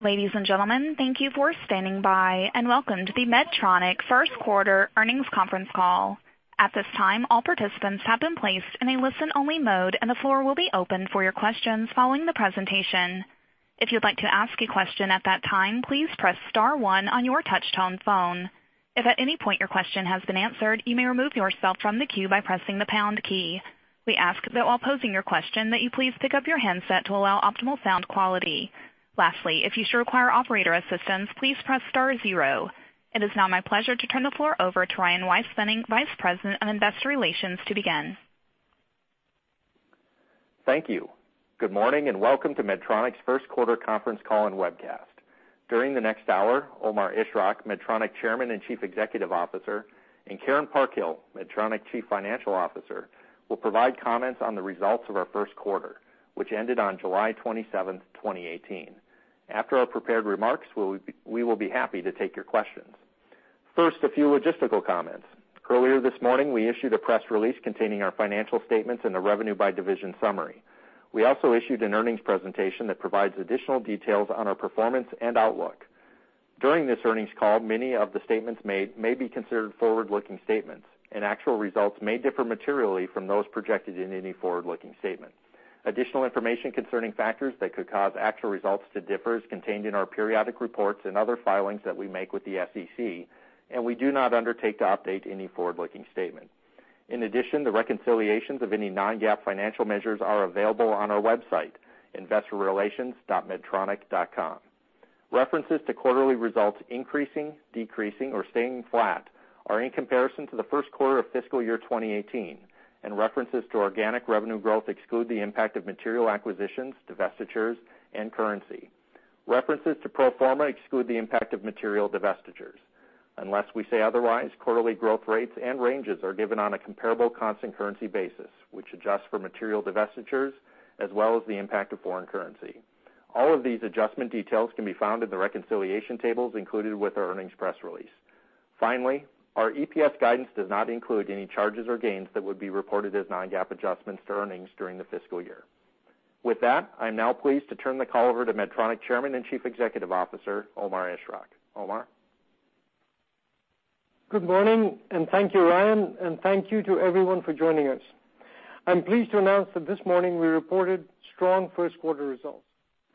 Ladies and gentlemen, thank you for standing by. Welcome to the Medtronic First Quarter Earnings Conference Call. At this time, all participants have been placed in a listen-only mode. The floor will be open for your questions following the presentation. If you'd like to ask a question at that time, please press star one on your touch-tone phone. If at any point your question has been answered, you may remove yourself from the queue by pressing the pound key. We ask that while posing your question that you please pick up your handset to allow optimal sound quality. Lastly, if you should require operator assistance, please press star zero. It is now my pleasure to turn the floor over to Ryan Weispfenning, Vice President of Investor Relations, to begin. Thank you. Good morning, welcome to Medtronic's first quarter conference call and webcast. During the next hour, Omar Ishrak, Medtronic Chairman and Chief Executive Officer, Karen Parkhill, Medtronic Chief Financial Officer, will provide comments on the results of our first quarter, which ended on July 27th, 2018. After our prepared remarks, we will be happy to take your questions. First, a few logistical comments. Earlier this morning, we issued a press release containing our financial statements and a revenue by division summary. We also issued an earnings presentation that provides additional details on our performance and outlook. During this earnings call, many of the statements made may be considered forward-looking statements. Actual results may differ materially from those projected in any forward-looking statement. Additional information concerning factors that could cause actual results to differ is contained in our periodic reports and other filings that we make with the SEC. We do not undertake to update any forward-looking statement. In addition, the reconciliations of any non-GAAP financial measures are available on our website, investorrelations.medtronic.com. References to quarterly results increasing, decreasing, or staying flat are in comparison to the first quarter of fiscal year 2018. References to organic revenue growth exclude the impact of material acquisitions, divestitures, and currency. References to pro forma exclude the impact of material divestitures. Unless we say otherwise, quarterly growth rates and ranges are given on a comparable constant currency basis, which adjusts for material divestitures as well as the impact of foreign currency. All of these adjustment details can be found in the reconciliation tables included with our earnings press release. Finally, our EPS guidance does not include any charges or gains that would be reported as non-GAAP adjustments to earnings during the fiscal year. With that, I'm now pleased to turn the call over to Medtronic Chairman and Chief Executive Officer, Omar Ishrak. Omar? Good morning, thank you, Ryan, and thank you to everyone for joining us. I am pleased to announce that this morning we reported strong first quarter results.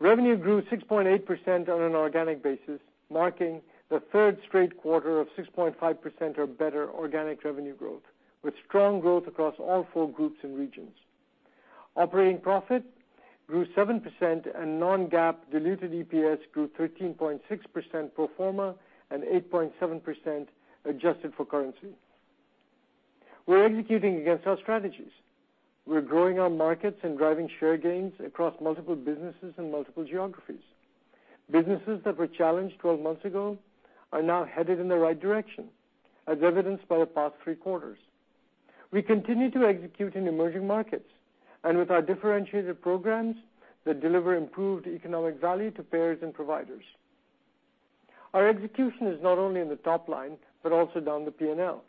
Revenue grew 6.8% on an organic basis, marking the third straight quarter of 6.5% or better organic revenue growth, with strong growth across all four groups and regions. Operating profit grew 7% non-GAAP diluted EPS grew 13.6% pro forma and 8.7% adjusted for currency. We are executing against our strategies. We are growing our markets and driving share gains across multiple businesses and multiple geographies. Businesses that were challenged 12 months ago are now headed in the right direction, as evidenced by the past three quarters. We continue to execute in emerging markets and with our differentiated programs that deliver improved economic value to payers and providers. Our execution is not only in the top line, but also down the P&L.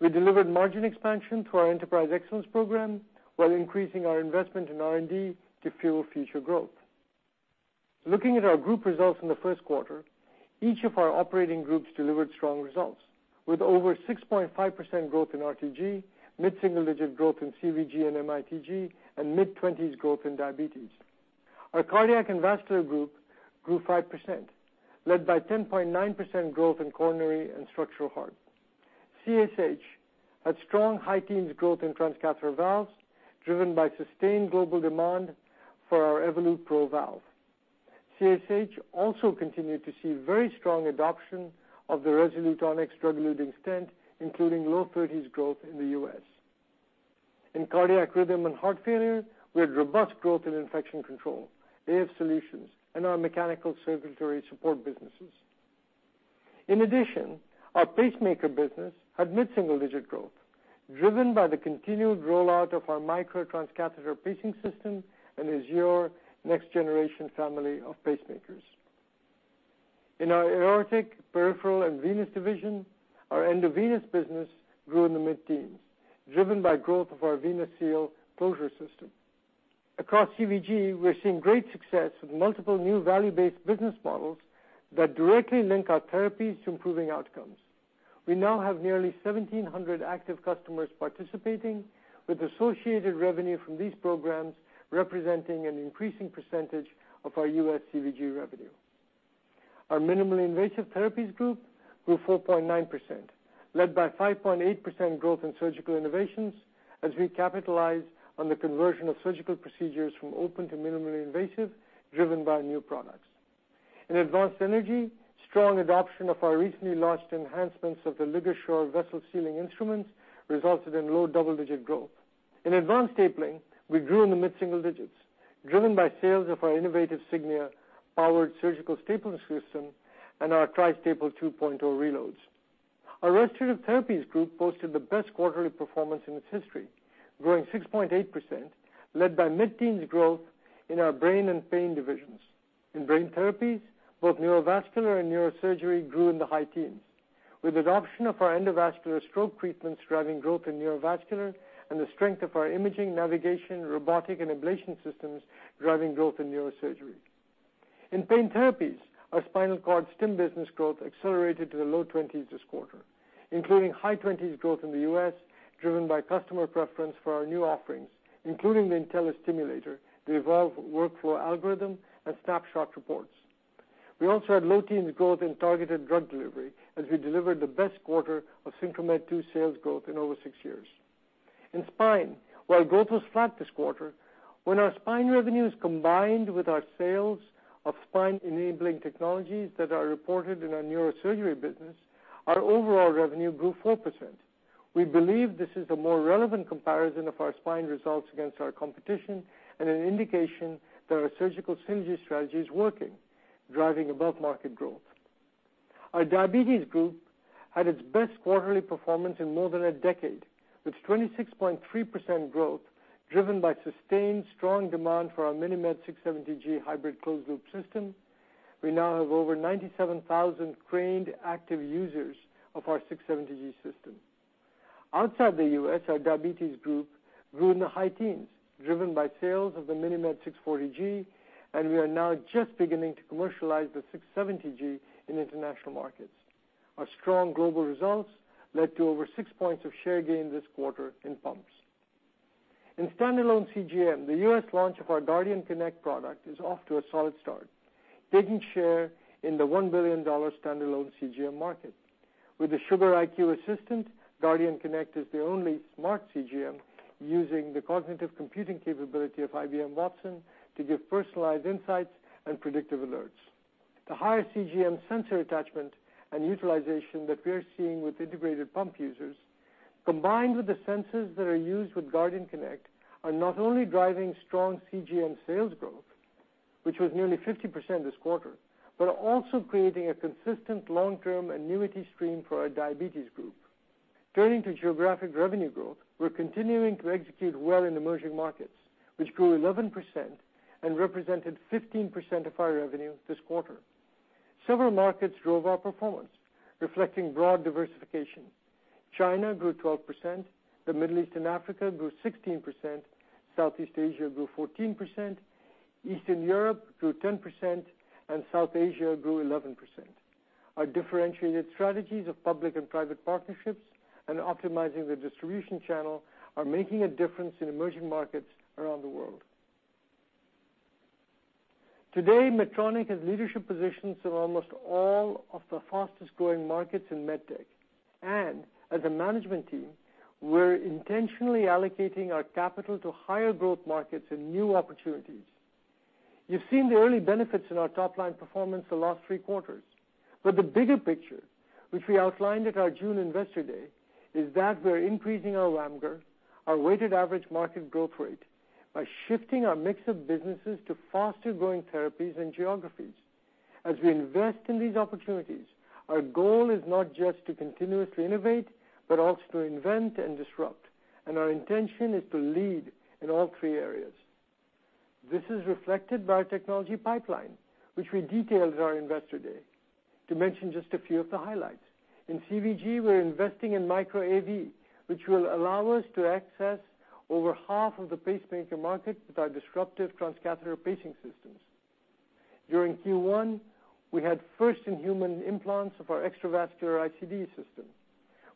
We delivered margin expansion through our Enterprise Excellence program while increasing our investment in R&D to fuel future growth. Looking at our group results in the first quarter, each of our operating groups delivered strong results, with over 6.5% growth in RTG, mid-single digit growth in CVG and MITG, and mid-20s growth in Diabetes. Our Cardiac and Vascular Group grew 5%, led by 10.9% growth in Coronary and Structural Heart. CSH had strong high teens growth in transcatheter valves, driven by sustained global demand for our Evolut PRO valve. CSH also continued to see very strong adoption of the Resolute Onyx drug-eluting stent, including low 30s growth in the U.S. In Cardiac Rhythm and Heart Failure, we had robust growth in infection control, AF solutions, and our mechanical circulatory support businesses. In addition, our pacemaker business had mid-single digit growth, driven by the continued rollout of our Micra transcatheter pacing system and Azure next generation family of pacemakers. In our Aortic, Peripheral, and Venous Division, our endovenous business grew in the mid-teens, driven by growth of our VenaSeal closure system. Across CVG, we are seeing great success with multiple new value-based business models that directly link our therapies to improving outcomes. We now have nearly 1,700 active customers participating, with associated revenue from these programs representing an increasing percentage of our U.S. CVG revenue. Our Minimally Invasive Therapies Group grew 4.9%, led by 5.8% growth in Surgical Innovations as we capitalize on the conversion of surgical procedures from open to minimally invasive driven by new products. In Advanced Energy, strong adoption of our recently launched enhancements of the LigaSure vessel sealing instruments resulted in low double-digit growth. In Advanced Stapling, we grew in the mid-single digits, driven by sales of our innovative Signia powered surgical stapling system and our Tri-Staple 2.0 reloads. Our Restorative Therapies Group posted the best quarterly performance in its history, growing 6.8%, led by mid-teens growth in our Brain and Pain Divisions. In Brain Therapies, both Neurovascular and Neurosurgery grew in the high teens. With adoption of our endovascular stroke treatments driving growth in Neurovascular and the strength of our imaging, navigation, robotic, and ablation systems driving growth in Neurosurgery. In Pain Therapies, our spinal cord stimulator business growth accelerated to the low 20s this quarter, including high 20s growth in the U.S., driven by customer preference for our new offerings, including the Intellis Stimulator, the Evolve workflow algorithm, and Snapshot reports. We also had low teens growth in targeted drug delivery as we delivered the best quarter of SynchroMed II sales growth in over six years. In spine, while growth was flat this quarter, when our spine revenue is combined with our sales of spine-enabling technologies that are reported in our neurosurgery business, our overall revenue grew 4%. We believe this is a more relevant comparison of our spine results against our competition and an indication that our surgical synergy strategy is working, driving above-market growth. Our diabetes group had its best quarterly performance in more than a decade, with 26.3% growth, driven by sustained strong demand for our MiniMed 670G hybrid closed-loop system. We now have over 97,000 trained, active users of our 670G system. Outside the U.S., our diabetes group grew in the high teens, driven by sales of the MiniMed 640G. We are now just beginning to commercialize the 670G in international markets. Our strong global results led to over six points of share gain this quarter in pumps. In stand-alone CGM, the U.S. launch of our Guardian Connect product is off to a solid start, taking share in the $1 billion stand-alone CGM market. With the Sugar.IQ assistant, Guardian Connect is the only smart CGM using the cognitive computing capability of IBM Watson to give personalized insights and predictive alerts. The higher CGM sensor attachment and utilization that we're seeing with integrated pump users, combined with the sensors that are used with Guardian Connect, are not only driving strong CGM sales growth, which was nearly 50% this quarter, but are also creating a consistent long-term annuity stream for our diabetes group. Turning to geographic revenue growth, we're continuing to execute well in emerging markets, which grew 11% and represented 15% of our revenue this quarter. Several markets drove our performance, reflecting broad diversification. China grew 12%, the Middle East and Africa grew 16%, Southeast Asia grew 14%, Eastern Europe grew 10%. South Asia grew 11%. Our differentiated strategies of public and private partnerships and optimizing the distribution channel are making a difference in emerging markets around the world. Today, Medtronic has leadership positions in almost all of the fastest-growing markets in med tech. As a management team, we're intentionally allocating our capital to higher-growth markets and new opportunities. You've seen the early benefits in our top-line performance the last three quarters. The bigger picture, which we outlined at our June Investor Day, is that we're increasing our WAMGR, our weighted average market growth rate, by shifting our mix of businesses to faster-growing therapies and geographies. As we invest in these opportunities, our goal is not just to continuously innovate, but also to invent and disrupt. Our intention is to lead in all three areas. This is reflected by our technology pipeline, which we detailed at our Investor Day. To mention just a few of the highlights, in CVG, we're investing in Micra AV, which will allow us to access over half of the pacemaker market with our disruptive transcatheter pacing systems. During Q1, we had first-in-human implants of our extravascular ICD system.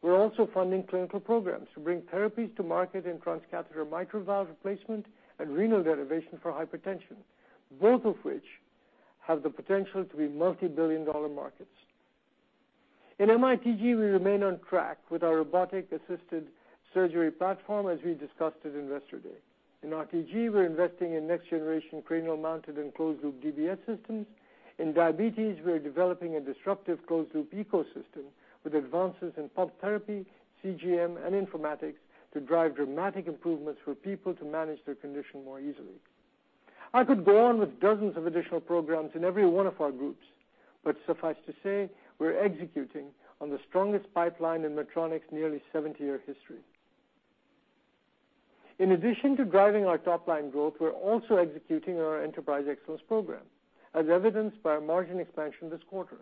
We're also funding clinical programs to bring therapies to market in transcatheter mitral valve replacement and renal denervation for hypertension, both of which have the potential to be multi-billion-dollar markets. In MITG, we remain on track with our robotic-assisted surgery platform as we discussed at Investor Day. In RTG, we're investing in next-generation cranial mounted and closed-loop DBS systems. In diabetes, we are developing a disruptive closed-loop ecosystem with advances in pump therapy, CGM, and informatics to drive dramatic improvements for people to manage their condition more easily. I could go on with dozens of additional programs in every one of our groups, but suffice to say, we're executing on the strongest pipeline in Medtronic's nearly 70-year history. In addition to driving our top-line growth, we're also executing on our Enterprise Excellence program, as evidenced by our margin expansion this quarter.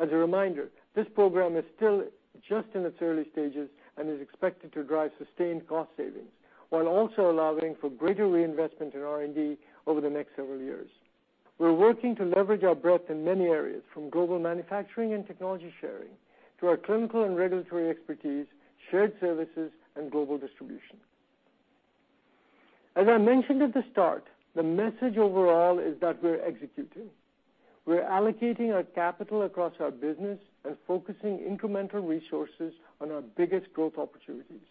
As a reminder, this program is still just in its early stages and is expected to drive sustained cost savings while also allowing for greater reinvestment in R&D over the next several years. We're working to leverage our breadth in many areas, from global manufacturing and technology sharing to our clinical and regulatory expertise, shared services, and global distribution. As I mentioned at the start, the message overall is that we're executing. We're allocating our capital across our business and focusing incremental resources on our biggest growth opportunities.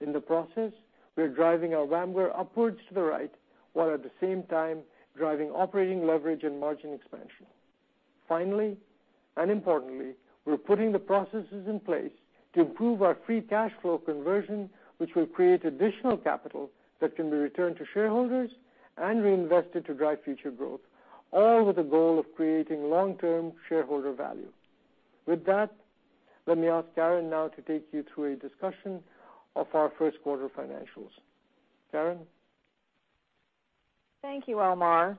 In the process, we are driving our WAMGR upwards to the right, while at the same time driving operating leverage and margin expansion. Finally, and importantly, we're putting the processes in place to improve our free cash flow conversion, which will create additional capital that can be returned to shareholders and reinvested to drive future growth, all with the goal of creating long-term shareholder value. With that, let me ask Karen now to take you through a discussion of our first quarter financials. Karen? Thank you, Omar.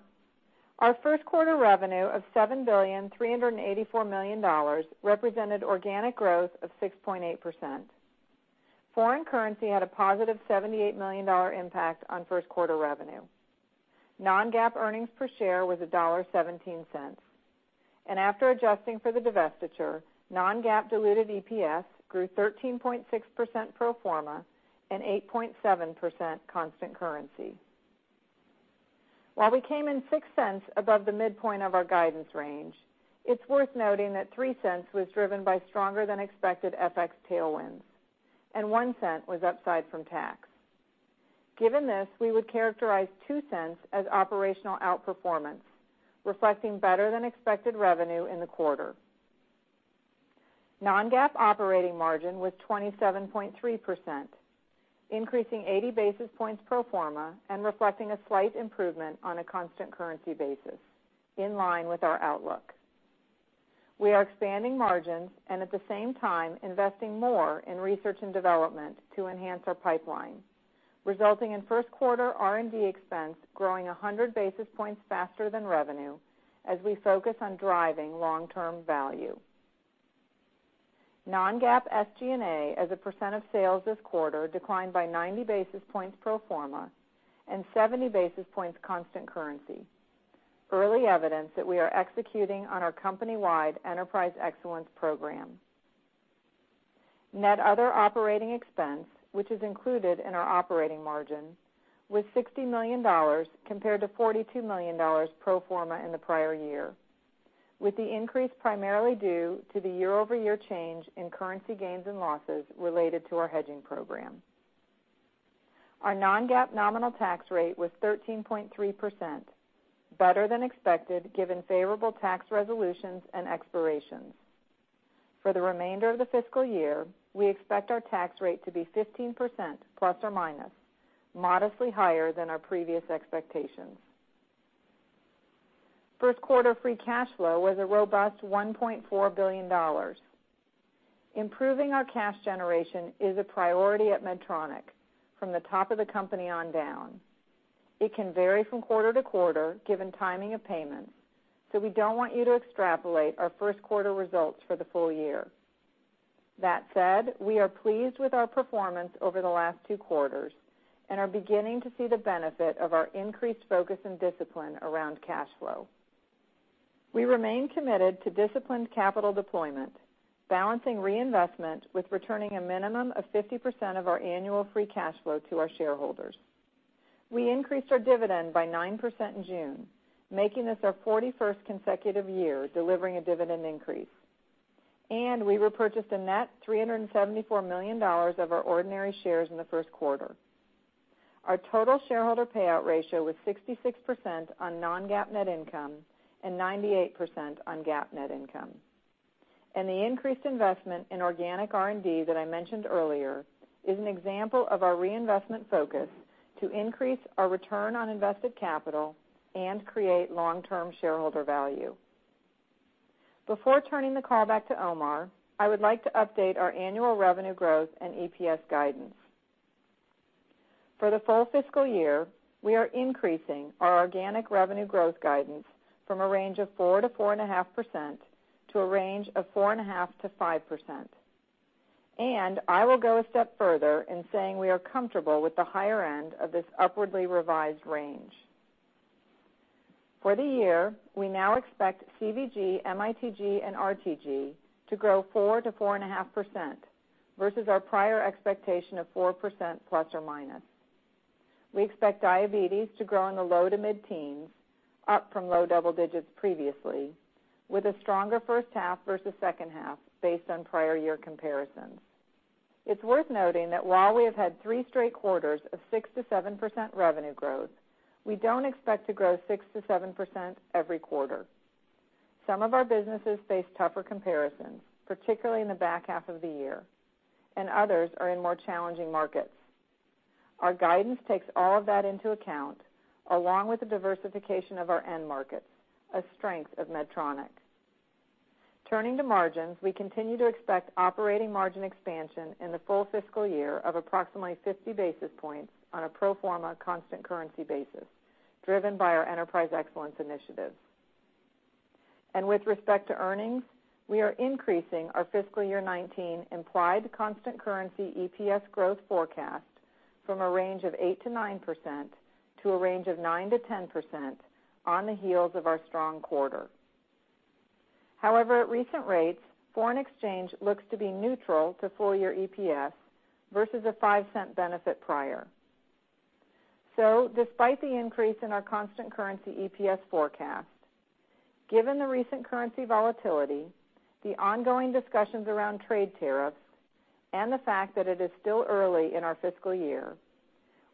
Our first quarter revenue of $7,384,000,000 represented organic growth of 6.8%. Foreign currency had a positive $78 million impact on first quarter revenue. Non-GAAP earnings per share was $1.17. After adjusting for the divestiture, non-GAAP diluted EPS grew 13.6% pro forma and 8.7% constant currency. While we came in $0.06 above the midpoint of our guidance range, it's worth noting that $0.03 was driven by stronger than expected FX tailwinds, and $0.01 was upside from tax. Given this, we would characterize $0.02 as operational outperformance, reflecting better than expected revenue in the quarter. Non-GAAP operating margin was 27.3%, increasing 80 basis points pro forma and reflecting a slight improvement on a constant currency basis, in line with our outlook. We are expanding margins and at the same time, investing more in research and development to enhance our pipeline, resulting in first quarter R&D expense growing 100 basis points faster than revenue as we focus on driving long-term value. Non-GAAP SG&A as a percent of sales this quarter declined by 90 basis points pro forma and 70 basis points constant currency. Early evidence that we are executing on our company-wide enterprise excellence program. Net other operating expense, which is included in our operating margin, was $60 million compared to $42 million pro forma in the prior year, with the increase primarily due to the year-over-year change in currency gains and losses related to our hedging program. Our non-GAAP nominal tax rate was 13.3%, better than expected given favorable tax resolutions and expirations. For the remainder of the fiscal year, we expect our tax rate to be 15% plus or minus, modestly higher than our previous expectations. First quarter free cash flow was a robust $1.4 billion. Improving our cash generation is a priority at Medtronic from the top of the company on down. It can vary from quarter-to-quarter, given timing of payments, so we don't want you to extrapolate our first quarter results for the full year. That said, we are pleased with our performance over the last two quarters and are beginning to see the benefit of our increased focus and discipline around cash flow. We remain committed to disciplined capital deployment, balancing reinvestment with returning a minimum of 50% of our annual free cash flow to our shareholders. We increased our dividend by 9% in June, making this our 41st consecutive year delivering a dividend increase. We repurchased a net $374 million of our ordinary shares in the first quarter. Our total shareholder payout ratio was 66% on non-GAAP net income and 98% on GAAP net income. The increased investment in organic R&D that I mentioned earlier is an example of our reinvestment focus to increase our return on invested capital and create long-term shareholder value. Before turning the call back to Omar, I would like to update our annual revenue growth and EPS guidance. For the full fiscal year, we are increasing our organic revenue growth guidance from a range of 4%-4.5% to a range of 4.5%-5%. I will go a step further in saying we are comfortable with the higher end of this upwardly revised range. For the year, we now expect CVG, MITG, and RTG to grow 4%-4.5%, versus our prior expectation of 4% plus or minus. We expect diabetes to grow in the low to mid-teens, up from low double digits previously, with a stronger first half versus second half based on prior year comparisons. It's worth noting that while we have had three straight quarters of 6%-7% revenue growth, we don't expect to grow 6%-7% every quarter. Some of our businesses face tougher comparisons, particularly in the back half of the year, and others are in more challenging markets. Our guidance takes all of that into account, along with the diversification of our end markets, a strength of Medtronic. Turning to margins, we continue to expect operating margin expansion in the full fiscal year of approximately 50 basis points on a pro forma constant currency basis, driven by our enterprise excellence initiatives. With respect to earnings, we are increasing our fiscal year 2019 implied constant currency EPS growth forecast from a range of 8%-9% to a range of 9%-10% on the heels of our strong quarter. However, at recent rates, foreign exchange looks to be neutral to full-year EPS versus a $0.05 benefit prior. Despite the increase in our constant currency EPS forecast, given the recent currency volatility, the ongoing discussions around trade tariffs, and the fact that it is still early in our fiscal year,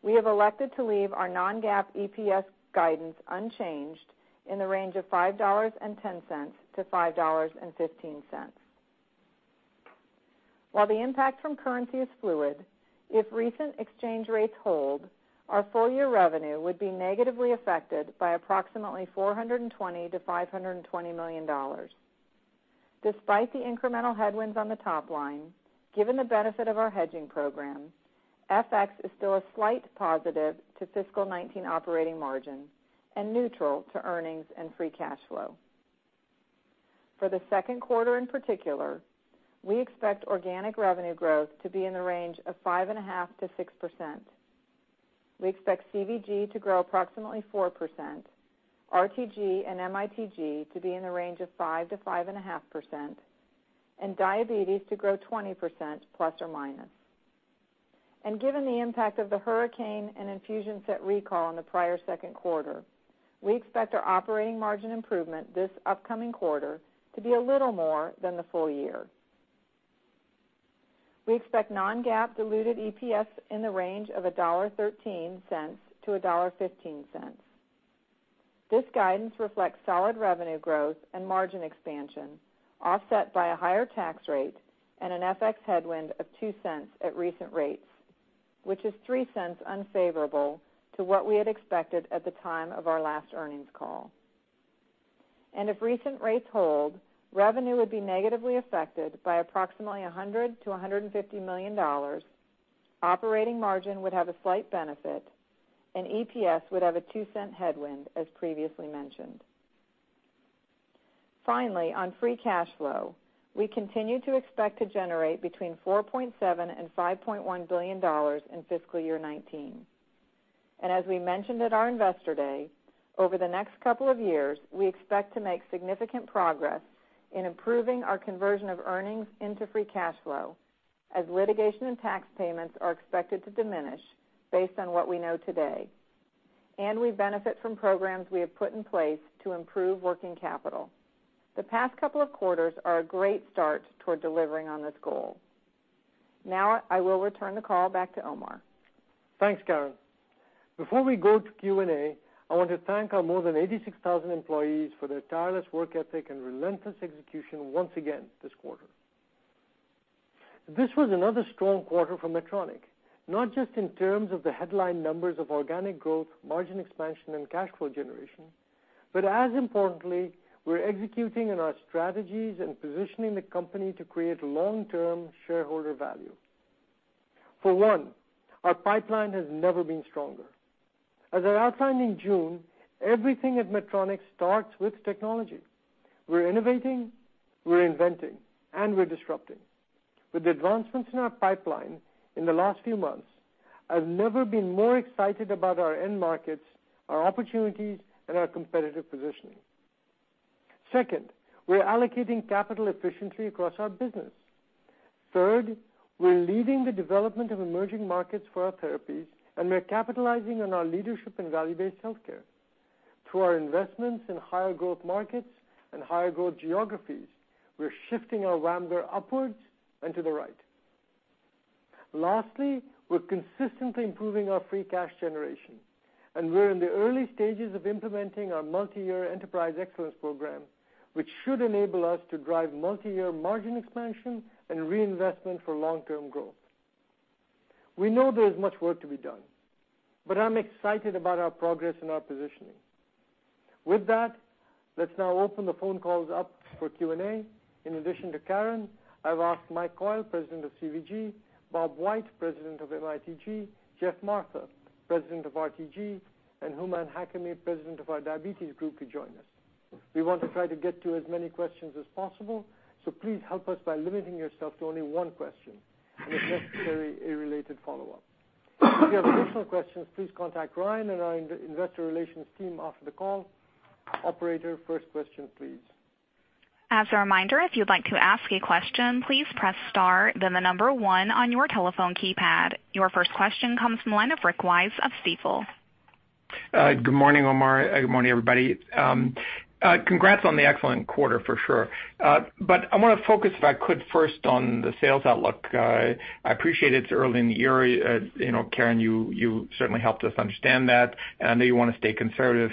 we have elected to leave our non-GAAP EPS guidance unchanged in the range of $5.10-$5.15. While the impact from currency is fluid, if recent exchange rates hold, our full-year revenue would be negatively affected by approximately $420 million-$520 million. Despite the incremental headwinds on the top line, given the benefit of our hedging program, FX is still a slight positive to fiscal 2019 operating margin and neutral to earnings and free cash flow. For the second quarter in particular, we expect organic revenue growth to be in the range of 5.5%-6%. We expect CVG to grow approximately 4%, RTG and MITG to be in the range of 5%-5.5%, and diabetes to grow 20% ±. Given the impact of the hurricane and infusion set recall in the prior second quarter, we expect our operating margin improvement this upcoming quarter to be a little more than the full year. We expect non-GAAP diluted EPS in the range of $1.13-$1.15. This guidance reflects solid revenue growth and margin expansion, offset by a higher tax rate and an FX headwind of $0.02 at recent rates, which is $0.03 unfavorable to what we had expected at the time of our last earnings call. If recent rates hold, revenue would be negatively affected by approximately $100 million-$150 million. Operating margin would have a slight benefit, and EPS would have a $0.02 headwind, as previously mentioned. Finally, on free cash flow, we continue to expect to generate between $4.7 billion and $5.1 billion in fiscal year 2019. As we mentioned at our investor day, over the next couple of years, we expect to make significant progress in improving our conversion of earnings into free cash flow, as litigation and tax payments are expected to diminish based on what we know today. We benefit from programs we have put in place to improve working capital. The past couple of quarters are a great start toward delivering on this goal. I will return the call back to Omar. Thanks, Karen. Before we go to Q&A, I want to thank our more than 86,000 employees for their tireless work ethic and relentless execution once again this quarter. This was another strong quarter for Medtronic, not just in terms of the headline numbers of organic growth, margin expansion, and cash flow generation, but as importantly, we're executing on our strategies and positioning the company to create long-term shareholder value. For one, our pipeline has never been stronger. As I outlined in June, everything at Medtronic starts with technology. We're innovating, we're inventing, and we're disrupting. With the advancements in our pipeline in the last few months, I've never been more excited about our end markets, our opportunities, and our competitive positioning. Second, we're allocating capital efficiently across our business. Third, we're leading the development of emerging markets for our therapies, and we're capitalizing on our leadership in value-based healthcare. Through our investments in higher growth markets and higher growth geographies, we're shifting our WAMGR upwards and to the right. Lastly, we're consistently improving our free cash generation, and we're in the early stages of implementing our multi-year enterprise excellence program, which should enable us to drive multi-year margin expansion and reinvestment for long-term growth. We know there is much work to be done, but I'm excited about our progress and our positioning. With that, let's now open the phone calls up for Q&A. In addition to Karen, I've asked Mike Coyle, President of CVG, Bob White, President of MITG, Geoff Martha, President of RTG, and Hooman Hakami, President of our diabetes group, to join us. We want to try to get to as many questions as possible, so please help us by limiting yourself to only one question and, if necessary, a related follow-up. If you have additional questions, please contact Ryan and our investor relations team after the call. Operator, first question, please. As a reminder, if you'd like to ask a question, please press star, then the number one on your telephone keypad. Your first question comes from the line of Rick Wise of Stifel. Good morning, Omar. Good morning, everybody. Congrats on the excellent quarter for sure. I want to focus, if I could first, on the sales outlook. I appreciate it's early in the year. Karen, you certainly helped us understand that, and I know you want to stay conservative.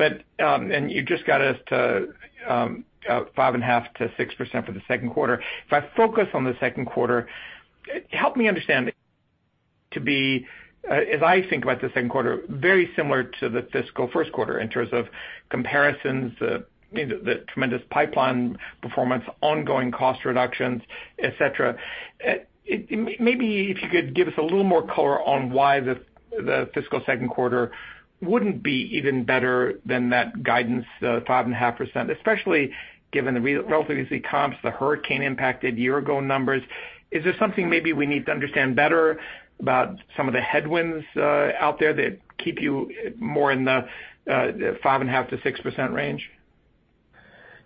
You just got us to 5.5%-6% for the second quarter. If I focus on the second quarter, help me understand it to be, as I think about the second quarter, very similar to the fiscal first quarter in terms of comparisons, the tremendous pipeline performance, ongoing cost reductions, et cetera. Maybe if you could give us a little more color on why the fiscal second quarter wouldn't be even better than that guidance, the 5.5%, especially given the relatively easy comps, the hurricane impacted year-ago numbers. Is there something maybe we need to understand better about some of the headwinds out there that keep you more in the 5.5%-6% range?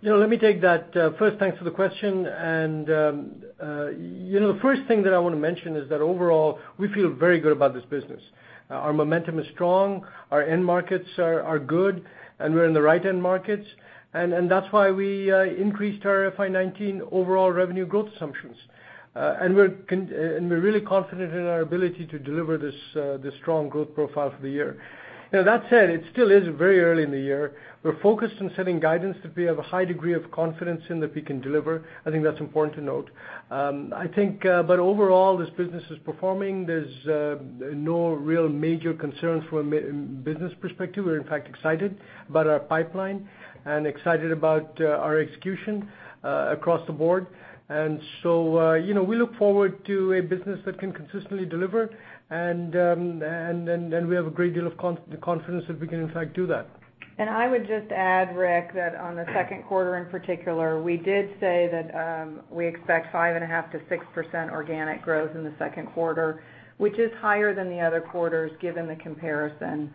Let me take that. First, thanks for the question. The first thing that I want to mention is that overall, we feel very good about this business. Our momentum is strong, our end markets are good, and we're in the right end markets, and that's why we increased our FY 2019 overall revenue growth assumptions. We're really confident in our ability to deliver this strong growth profile for the year. That said, it still is very early in the year. We're focused on setting guidance that we have a high degree of confidence in that we can deliver. I think that's important to note. Overall, this business is performing. There's no real major concerns from a business perspective. We're in fact excited about our pipeline and excited about our execution across the board. We look forward to a business that can consistently deliver, and we have a great deal of confidence that we can in fact do that. I would just add, Rick, that on the second quarter in particular, we did say that we expect 5.5%-6% organic growth in the second quarter, which is higher than the other quarters, given the comparison.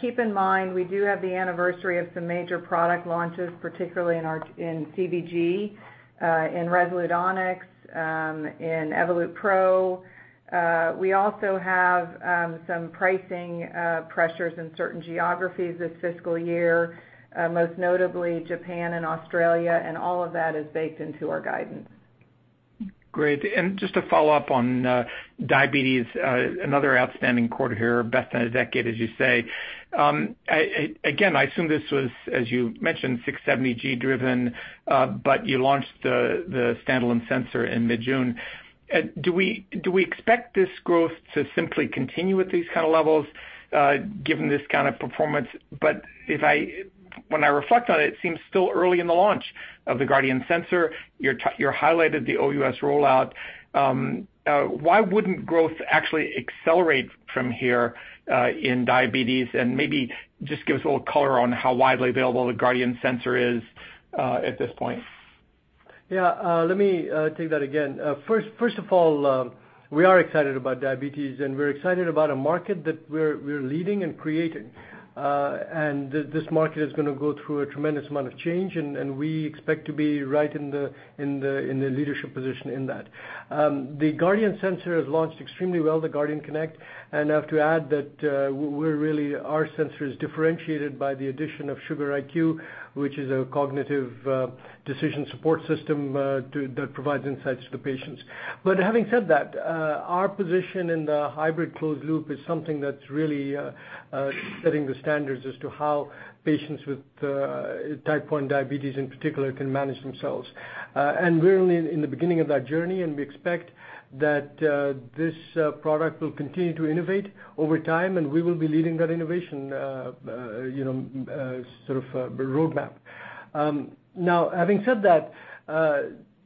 Keep in mind, we do have the anniversary of some major product launches, particularly in CVG, in Resolute Onyx, in Evolut PRO. We also have some pricing pressures in certain geographies this fiscal year, most notably Japan and Australia, all of that is baked into our guidance. Great. Just to follow up on diabetes, another outstanding quarter here, best in a decade, as you say. Again, I assume this was, as you mentioned, 670G driven, you launched the standalone sensor in mid-June. Do we expect this growth to simply continue at these kind of levels, given this kind of performance? When I reflect on it seems still early in the launch of the Guardian sensor. You highlighted the OUS rollout. Why wouldn't growth actually accelerate from here in diabetes? Maybe just give us a little color on how widely available the Guardian sensor is at this point. Let me take that again. First of all, we are excited about diabetes, we're excited about a market that we're leading and creating. This market is going to go through a tremendous amount of change, we expect to be right in the leadership position in that. The Guardian sensor has launched extremely well, the Guardian Connect, I have to add that our sensor is differentiated by the addition of Sugar.IQ, which is a cognitive decision support system that provides insights to the patients. Having said that, our position in the hybrid closed loop is something that's really setting the standards as to how patients with type 1 diabetes, in particular, can manage themselves. We're only in the beginning of that journey, we expect that this product will continue to innovate over time, we will be leading that innovation sort of roadmap. Having said that,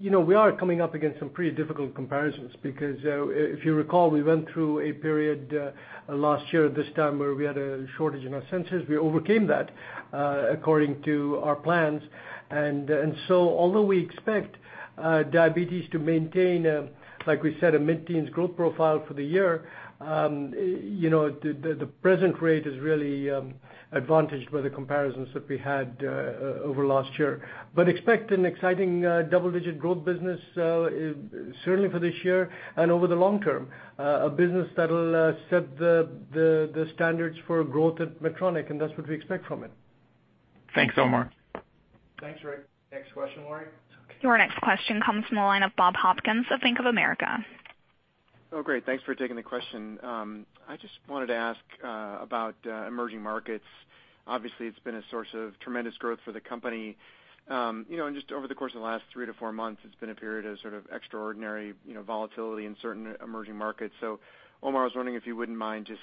we are coming up against some pretty difficult comparisons because if you recall, we went through a period last year at this time where we had a shortage in our sensors. We overcame that according to our plans. Although we expect diabetes to maintain, like we said, a mid-teens growth profile for the year, the present rate is really advantaged by the comparisons that we had over last year. Expect an exciting double-digit growth business certainly for this year and over the long term. A business that'll set the standards for growth at Medtronic, that's what we expect from it. Thanks, Omar. Thanks, Rick. Next question, Laurie. Your next question comes from the line of Bob Hopkins of Bank of America. Oh, great. Thanks for taking the question. I just wanted to ask about emerging markets. Obviously, it's been a source of tremendous growth for the company. Just over the course of the last three to four months, it's been a period of sort of extraordinary volatility in certain emerging markets. Omar, I was wondering if you wouldn't mind just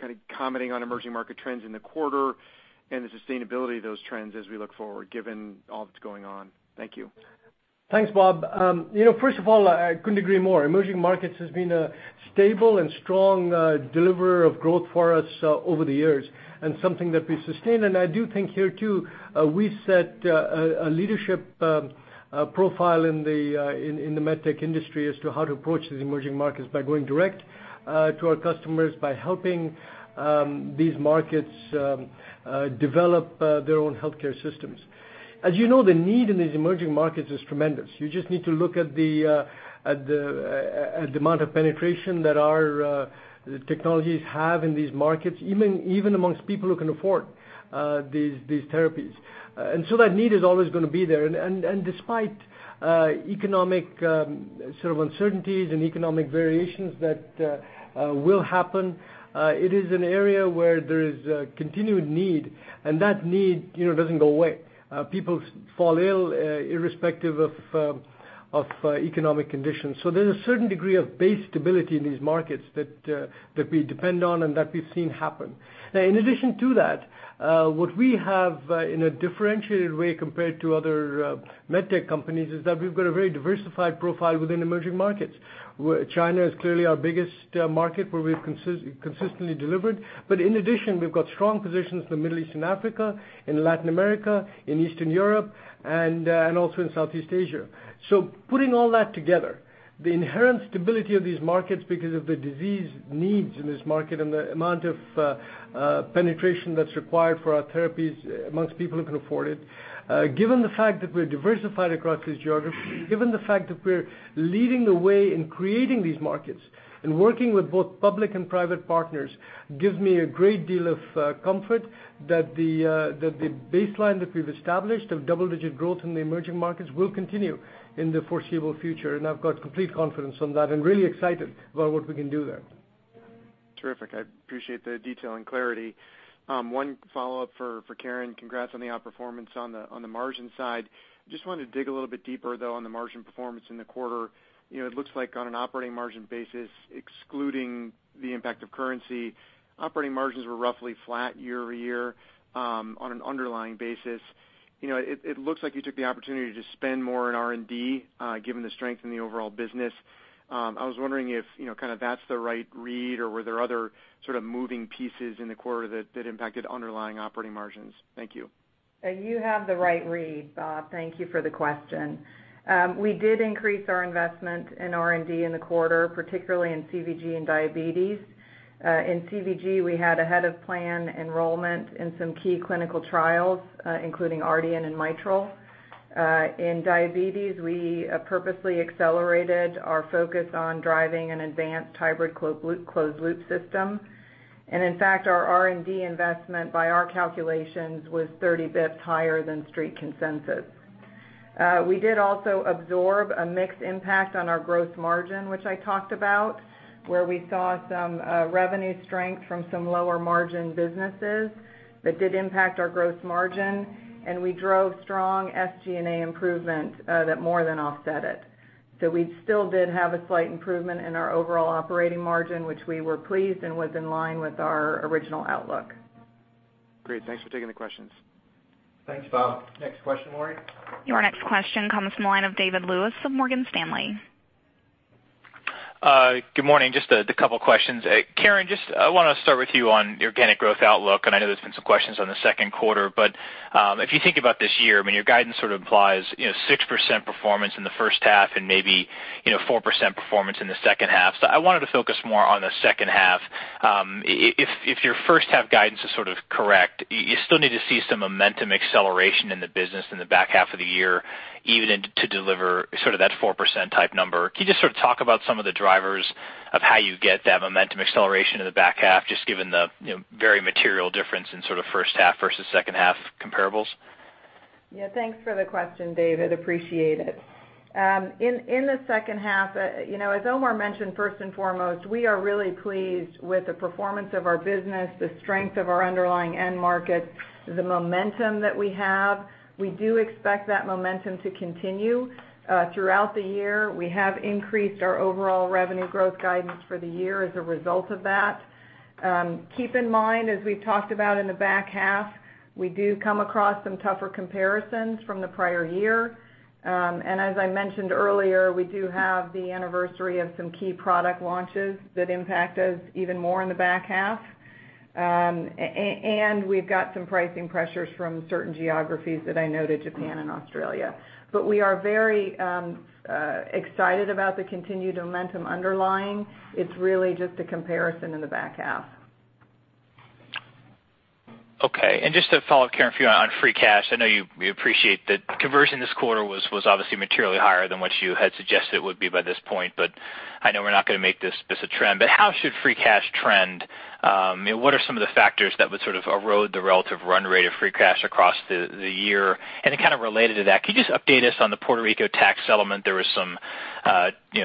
kind of commenting on emerging market trends in the quarter and the sustainability of those trends as we look forward, given all that's going on. Thank you. Thanks, Bob. First of all, I couldn't agree more. Emerging markets has been a stable and strong deliverer of growth for us over the years and something that we sustain. I do think here, too, we set a leadership profile in the med tech industry as to how to approach these emerging markets by going direct to our customers, by helping these markets develop their own healthcare systems. As you know, the need in these emerging markets is tremendous. You just need to look at the amount of penetration that our technologies have in these markets, even amongst people who can afford these therapies. That need is always going to be there. Despite economic sort of uncertainties and economic variations that will happen, it is an area where there is a continued need, and that need doesn't go away. People fall ill irrespective of economic conditions. There's a certain degree of base stability in these markets that we depend on and that we've seen happen. Now, in addition to that, what we have in a differentiated way compared to other med tech companies is that we've got a very diversified profile within emerging markets, where China is clearly our biggest market where we've consistently delivered. In addition, we've got strong positions in the Middle East and Africa, in Latin America, in Eastern Europe, and also in Southeast Asia. Putting all that together The inherent stability of these markets because of the disease needs in this market and the amount of penetration that's required for our therapies amongst people who can afford it. Given the fact that we're diversified across these geographies, given the fact that we're leading the way in creating these markets and working with both public and private partners, gives me a great deal of comfort that the baseline that we've established of double-digit growth in the emerging markets will continue in the foreseeable future, and I've got complete confidence on that and really excited about what we can do there. Terrific. I appreciate the detail and clarity. One follow-up for Karen. Congrats on the outperformance on the margin side. Just wanted to dig a little bit deeper, though, on the margin performance in the quarter. It looks like on an operating margin basis, excluding the impact of currency, operating margins were roughly flat year-over-year on an underlying basis. It looks like you took the opportunity to spend more on R&D, given the strength in the overall business. I was wondering if that's the right read, or were there other moving pieces in the quarter that impacted underlying operating margins? Thank you. You have the right read, Bob. Thank you for the question. We did increase our investment in R&D in the quarter, particularly in CVG and diabetes. In CVG, we had ahead of plan enrollment in some key clinical trials, including Ardian and mitral. In diabetes, we purposely accelerated our focus on driving an advanced hybrid closed-loop system. In fact, our R&D investment by our calculations was 30 basis points higher than street consensus. We did also absorb a mixed impact on our gross margin, which I talked about, where we saw some revenue strength from some lower margin businesses that did impact our gross margin, and we drove strong SG&A improvement that more than offset it. We still did have a slight improvement in our overall operating margin, which we were pleased and was in line with our original outlook. Great. Thanks for taking the questions. Thanks, Bob. Next question, Laurie. Your next question comes from the line of David Lewis from Morgan Stanley. Good morning. Just a couple of questions. Karen, I want to start with you on the organic growth outlook. I know there's been some questions on the second quarter. If you think about this year, your guidance implies 6% performance in the first half and maybe 4% performance in the second half. I wanted to focus more on the second half. If your first half guidance is correct, you still need to see some momentum acceleration in the business in the back half of the year even to deliver that type 4 number. Can you just talk about some of the drivers of how you get that momentum acceleration in the back half, just given the very material difference in first half versus second half comparables? Yeah, thanks for the question, David. Appreciate it. In the second half, as Omar mentioned, first and foremost, we are really pleased with the performance of our business, the strength of our underlying end markets, the momentum that we have. We do expect that momentum to continue throughout the year. We have increased our overall revenue growth guidance for the year as a result of that. Keep in mind, as we've talked about in the back half, we do come across some tougher comparisons from the prior year. As I mentioned earlier, we do have the anniversary of some key product launches that impact us even more in the back half. We've got some pricing pressures from certain geographies that I noted Japan and Australia. We are very excited about the continued momentum underlying. It's really just the comparison in the back half. Okay. Just to follow up, Karen, for you on free cash, I know you appreciate that conversion this quarter was obviously materially higher than what you had suggested would be by this point. I know we're not going to make this a trend. How should free cash trend? What are some of the factors that would erode the relative run rate of free cash across the year? Kind of related to that, could you just update us on the Puerto Rico tax settlement? There was some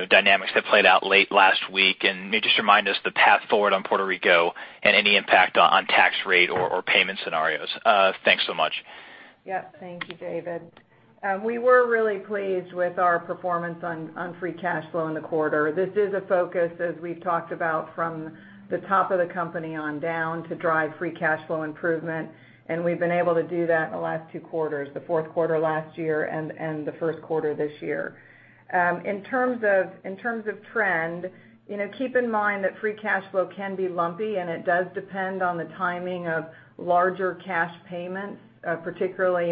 dynamics that played out late last week. Maybe just remind us the path forward on Puerto Rico and any impact on tax rate or payment scenarios. Thanks so much. Yeah. Thank you, David. We were really pleased with our performance on free cash flow in the quarter. This is a focus, as we've talked about from the top of the company on down to drive free cash flow improvement. We've been able to do that in the last two quarters, the fourth quarter last year and the first quarter this year. In terms of trend, keep in mind that free cash flow can be lumpy. It does depend on the timing of larger cash payments, particularly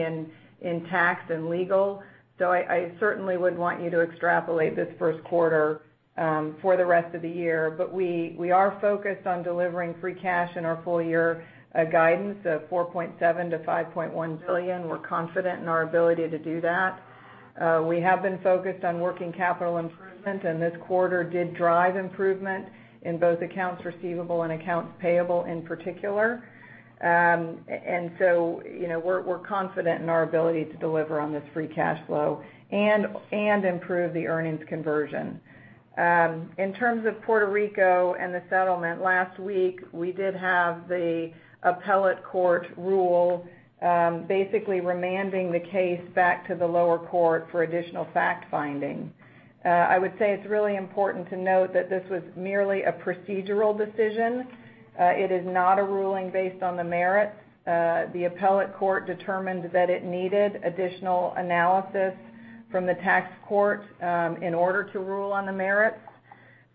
in tax and legal. I certainly wouldn't want you to extrapolate this first quarter for the rest of the year. We are focused on delivering free cash in our full year guidance of $4.7 billion to $5.1 billion. We're confident in our ability to do that. We have been focused on working capital improvement, and this quarter did drive improvement in both accounts receivable and accounts payable in particular. We're confident in our ability to deliver on this free cash flow and improve the earnings conversion. In terms of Puerto Rico and the settlement, last week, we did have the appellate court rule basically remanding the case back to the lower court for additional fact-finding. I would say it's really important to note that this was merely a procedural decision. It is not a ruling based on the merits. The appellate court determined that it needed additional analysis from the tax court in order to rule on the merits.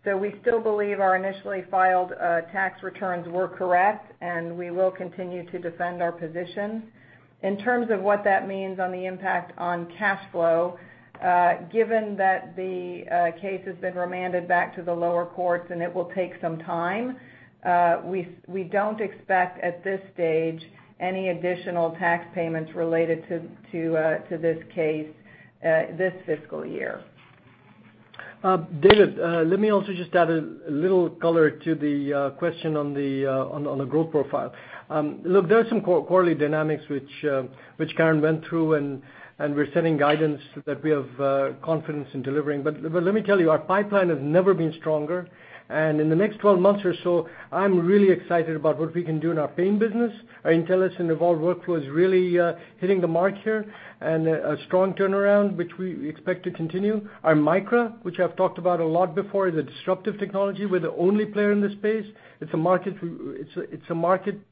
We still believe our initially filed tax returns were correct, and we will continue to defend our position. In terms of what that means on the impact on cash flow, given that the case has been remanded back to the lower courts and it will take some time, we don't expect at this stage any additional tax payments related to this case this fiscal year. David, let me also just add a little color to the question on the growth profile. Look, there are some quarterly dynamics which Karen went through, and we're setting guidance that we have confidence in delivering. Let me tell you, our pipeline has never been stronger. In the next 12 months or so, I'm really excited about what we can do in our pain business. Our Intellis and Evolve workflow is really hitting the mark here and a strong turnaround, which we expect to continue. Our Micra, which I've talked about a lot before, is a disruptive technology. We're the only player in this space. It's a market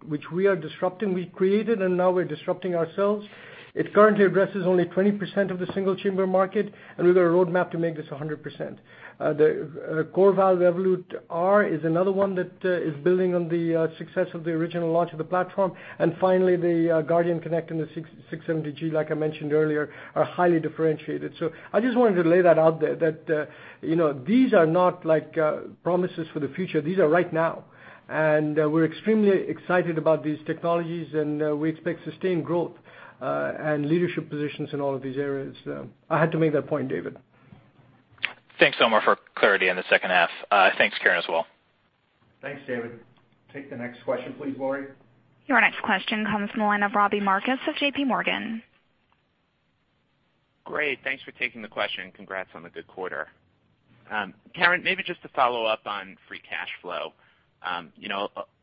which we are disrupting. We created and now we're disrupting ourselves. It currently addresses only 20% of the single chamber market. We've got a roadmap to make this 100%. The CoreValve Evolut R is another one that is building on the success of the original launch of the platform. Finally, the Guardian Connect and the 670G, like I mentioned earlier, are highly differentiated. I just wanted to lay that out there that these are not promises for the future. These are right now. We're extremely excited about these technologies and we expect sustained growth and leadership positions in all of these areas. I had to make that point, David. Thanks, Omar, for clarity on the second half. Thanks, Karen, as well. Thanks, David. Take the next question, please, Laurie. Your next question comes from the line of Robbie Marcus with J.P. Morgan. Great. Thanks for taking the question. Congrats on the good quarter. Karen, maybe just to follow up on free cash flow.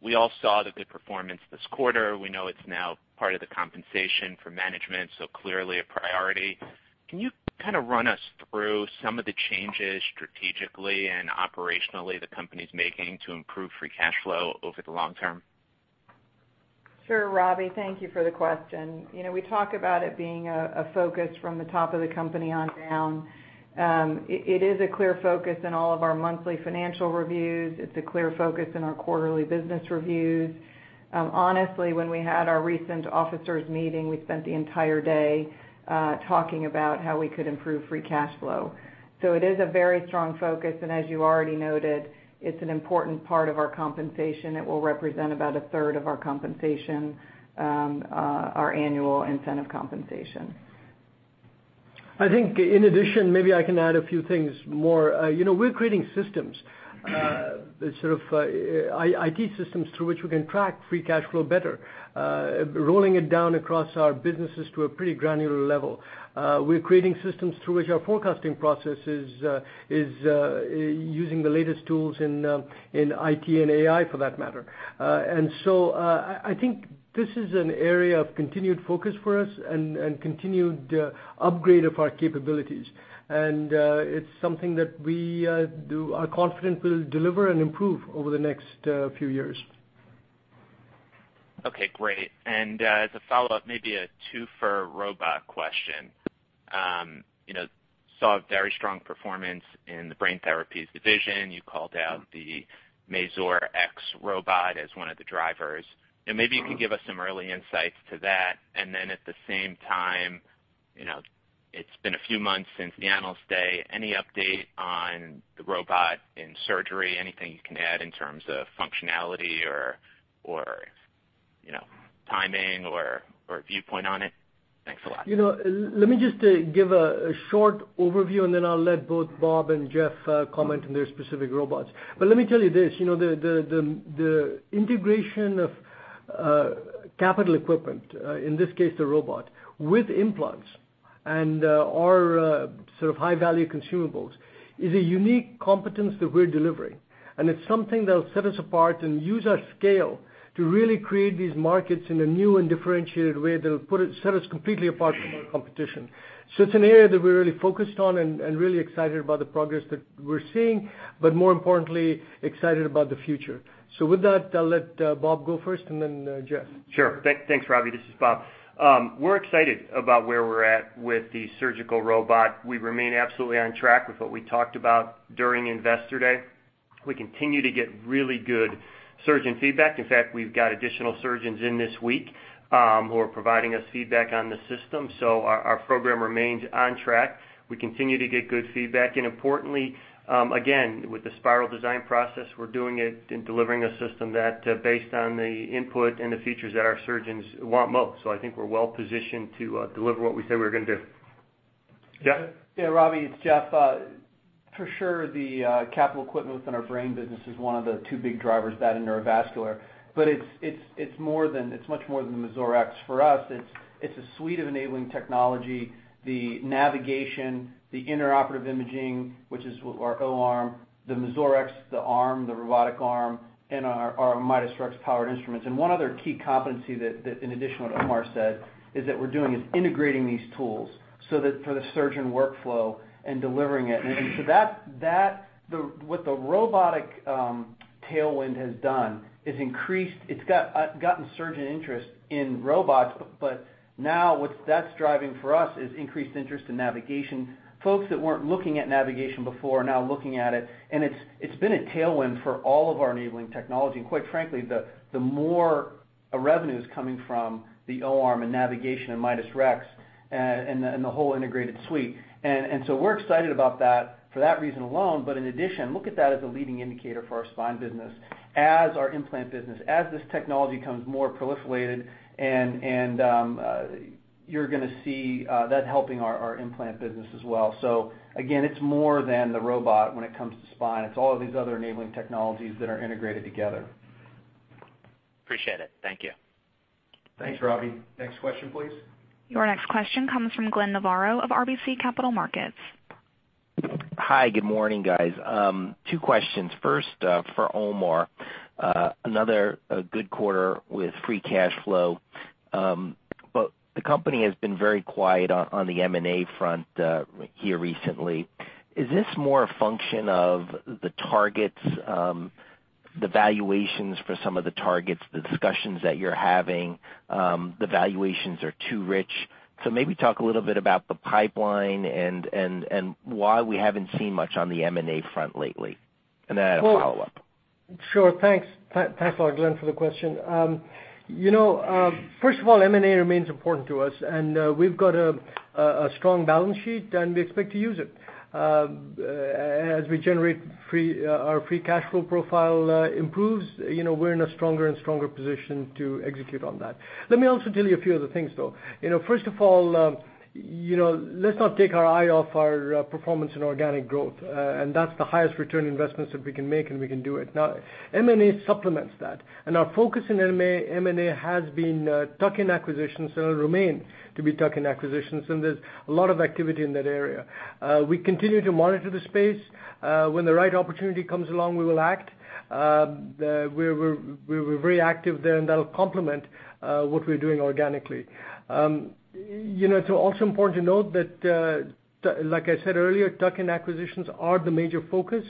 We all saw the good performance this quarter. We know it's now part of the compensation for management, clearly a priority. Can you kind of run us through some of the changes strategically and operationally the company's making to improve free cash flow over the long term? Sure, Robbie. Thank you for the question. We talk about it being a focus from the top of the company on down. It is a clear focus in all of our monthly financial reviews. It's a clear focus in our quarterly business reviews. Honestly, when we had our recent officers meeting, we spent the entire day talking about how we could improve free cash flow. It is a very strong focus, and as you already noted, it's an important part of our compensation. It will represent about a third of our compensation, our annual incentive compensation. I think in addition, maybe I can add a few things more. We're creating systems, IT systems through which we can track free cash flow better, rolling it down across our businesses to a pretty granular level. We're creating systems through which our forecasting process is using the latest tools in IT and AI for that matter. I think this is an area of continued focus for us and continued upgrade of our capabilities. It's something that we are confident we'll deliver and improve over the next few years. Okay, great. As a follow-up, maybe a two-fer robot question. Saw very strong performance in the brain therapies division. You called out the Mazor X robot as one of the drivers. Maybe you can give us some early insights to that. At the same time, it's been a few months since the Analyst Day. Any update on the robot in surgery? Anything you can add in terms of functionality or timing or viewpoint on it? Thanks a lot. Let me just give a short overview, and then I'll let both Bob and Geoff comment on their specific robots. Let me tell you this. The integration of capital equipment, in this case, the robot with implants and our sort of high-value consumables, is a unique competence that we're delivering. It's something that'll set us apart and use our scale to really create these markets in a new and differentiated way that'll set us completely apart from our competition. It's an area that we're really focused on and really excited about the progress that we're seeing, but more importantly, excited about the future. With that, I'll let Bob go first and then Geoff. Sure. Thanks, Robbie. This is Bob. We're excited about where we're at with the surgical robot. We remain absolutely on track with what we talked about during Investor Day. We continue to get really good surgeon feedback. In fact, we've got additional surgeons in this week who are providing us feedback on the system. Our program remains on track. We continue to get good feedback. Importantly, again, with the spiral design process, we're doing it and delivering a system that based on the input and the features that our surgeons want most. I think we're well-positioned to deliver what we said we were going to do. Geoff? Yeah, Robbie, it's Geoff. For sure, the capital equipment within our brain business is one of the two big drivers, that and neurovascular. It's much more than the Mazor X. For us, it's a suite of enabling technology, the navigation, the intraoperative imaging, which is our O-arm, the Mazor X, the arm, the robotic arm, and our Midas Rex powered instruments. One other key competency that in addition to what Omar said is that we're doing is integrating these tools so that for the surgeon workflow and delivering it. That with the robotic Tailwind has done is increased. It's gotten surgeon interest in robots, now what that's driving for us is increased interest in navigation. Folks that weren't looking at navigation before are now looking at it's been a tailwind for all of our enabling technology. Quite frankly, the more revenues coming from the O-arm and navigation and Midas Rex and the whole integrated suite. We're excited about that for that reason alone. In addition, look at that as a leading indicator for our spine business, as our implant business. As this technology becomes more proliferated, you're going to see that helping our implant business as well. Again, it's more than the robot when it comes to spine. It's all of these other enabling technologies that are integrated together. Appreciate it. Thank you. Thanks, Robbie. Next question, please. Your next question comes from Glenn Novarro of RBC Capital Markets. Hi, good morning, guys. Two questions. First, for Omar. Another good quarter with free cash flow. The company has been very quiet on the M&A front here recently. Is this more a function of the valuations for some of the targets, the discussions that you're having, the valuations are too rich? Maybe talk a little bit about the pipeline and why we haven't seen much on the M&A front lately. Then I have a follow-up. Sure. Thanks a lot, Glenn, for the question. First of all, M&A remains important to us, we've got a strong balance sheet, we expect to use it. As we generate our free cash flow profile improves, we're in a stronger and stronger position to execute on that. Let me also tell you a few other things, though. First of all, let's not take our eye off our performance in organic growth. That's the highest return investments that we can make, we can do it. M&A supplements that, our focus in M&A has been tuck-in acquisitions and will remain to be tuck-in acquisitions, there's a lot of activity in that area. We continue to monitor the space. When the right opportunity comes along, we will act. We're very active there, that'll complement what we're doing organically. It's also important to note that, like I said earlier, tuck-in acquisitions are the major focus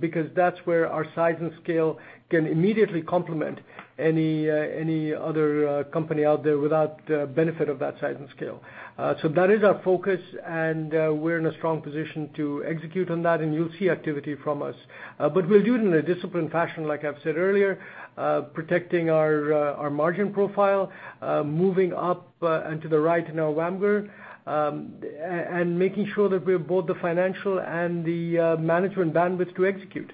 because that's where our size and scale can immediately complement any other company out there without the benefit of that size and scale. That is our focus, and we're in a strong position to execute on that, and you'll see activity from us. We'll do it in a disciplined fashion, like I've said earlier, protecting our margin profile, moving up and to the right in our WAMGR, and making sure that we have both the financial and the management bandwidth to execute.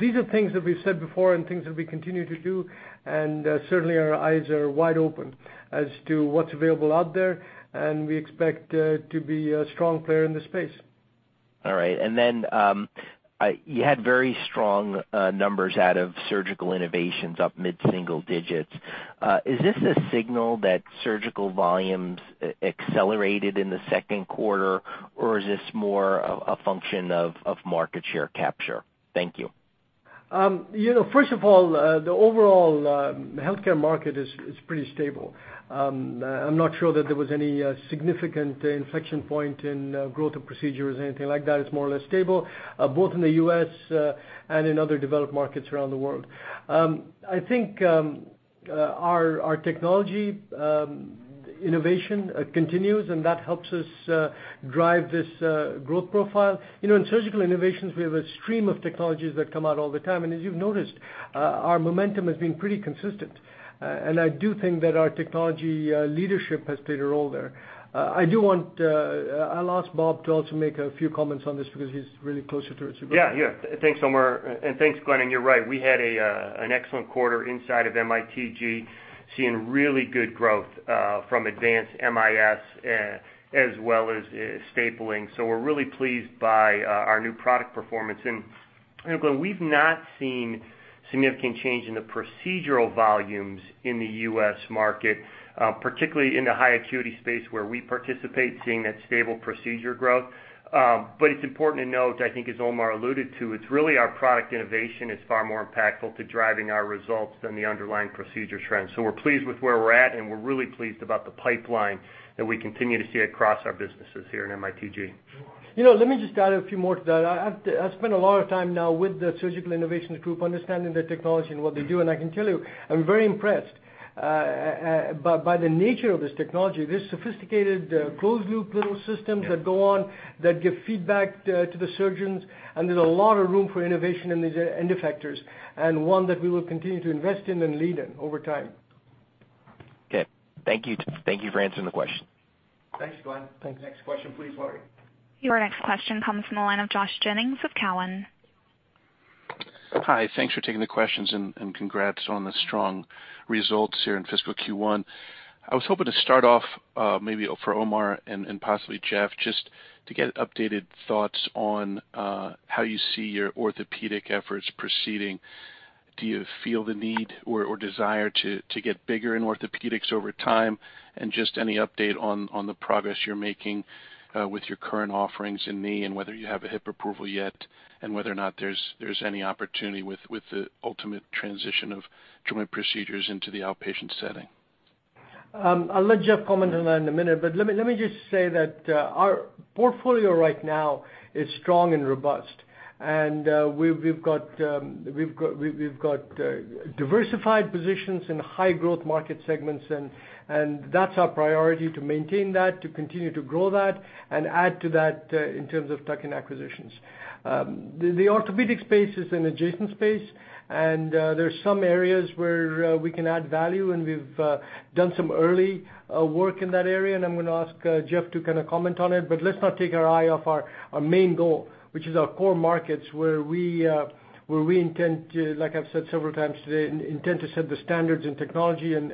These are things that we've said before and things that we continue to do, and certainly our eyes are wide open as to what's available out there, and we expect to be a strong player in the space. All right. You had very strong numbers out of surgical innovations up mid-single digits. Is this a signal that surgical volumes accelerated in the second quarter, or is this more a function of market share capture? Thank you. First of all, the overall healthcare market is pretty stable. I'm not sure that there was any significant inflection point in growth of procedures or anything like that. It's more or less stable, both in the U.S. and in other developed markets around the world. I think our technology innovation continues, and that helps us drive this growth profile. In surgical innovations, we have a stream of technologies that come out all the time. As you've noticed, our momentum has been pretty consistent. I do think that our technology leadership has played a role there. I'll ask Bob to also make a few comments on this because he's really closer to it. Yeah. Thanks, Omar, and thanks, Glenn, you're right. We had an excellent quarter inside of MITG, seeing really good growth from advanced MIS as well as stapling. We're really pleased by our new product performance. Glenn, we've not seen significant change in the procedural volumes in the U.S. market, particularly in the high acuity space where we participate, seeing that stable procedure growth. It's important to note, I think as Omar alluded to, it's really our product innovation is far more impactful to driving our results than the underlying procedure trends. We're pleased with where we're at, and we're really pleased about the pipeline that we continue to see across our businesses here in MITG. Let me just add a few more to that. I've spent a lot of time now with the surgical innovations group, understanding their technology and what they do, and I can tell you, I'm very impressed by the nature of this technology. These sophisticated closed-loop little systems that go on that give feedback to the surgeons. There's a lot of room for innovation in these endocutters, one that we will continue to invest in and lead in over time. Okay. Thank you for answering the question. Thanks, Glenn. Thanks. Next question, please, operator. Your next question comes from the line of Josh Jennings of Cowen. Hi, thanks for taking the questions. Congrats on the strong results here in fiscal Q1. I was hoping to start off maybe for Omar and possibly Geoff, just to get updated thoughts on how you see your orthopedic efforts proceeding. Do you feel the need or desire to get bigger in orthopedics over time? And just any update on the progress you're making with your current offerings in knee and whether you have a hip approval yet and whether or not there's any opportunity with the ultimate transition of joint procedures into the outpatient setting. I'll let Geoff comment on that in a minute. Let me just say that our portfolio right now is strong and robust. We've got diversified positions in high-growth market segments, and that's our priority to maintain that, to continue to grow that, and add to that in terms of tuck-in acquisitions. The orthopedic space is an adjacent space, and there are some areas where we can add value, and we've done some early work in that area, and I'm going to ask Geoff to kind of comment on it. Let's not take our eye off our main goal, which is our core markets, where we intend to, like I've said several times today, intend to set the standards in technology and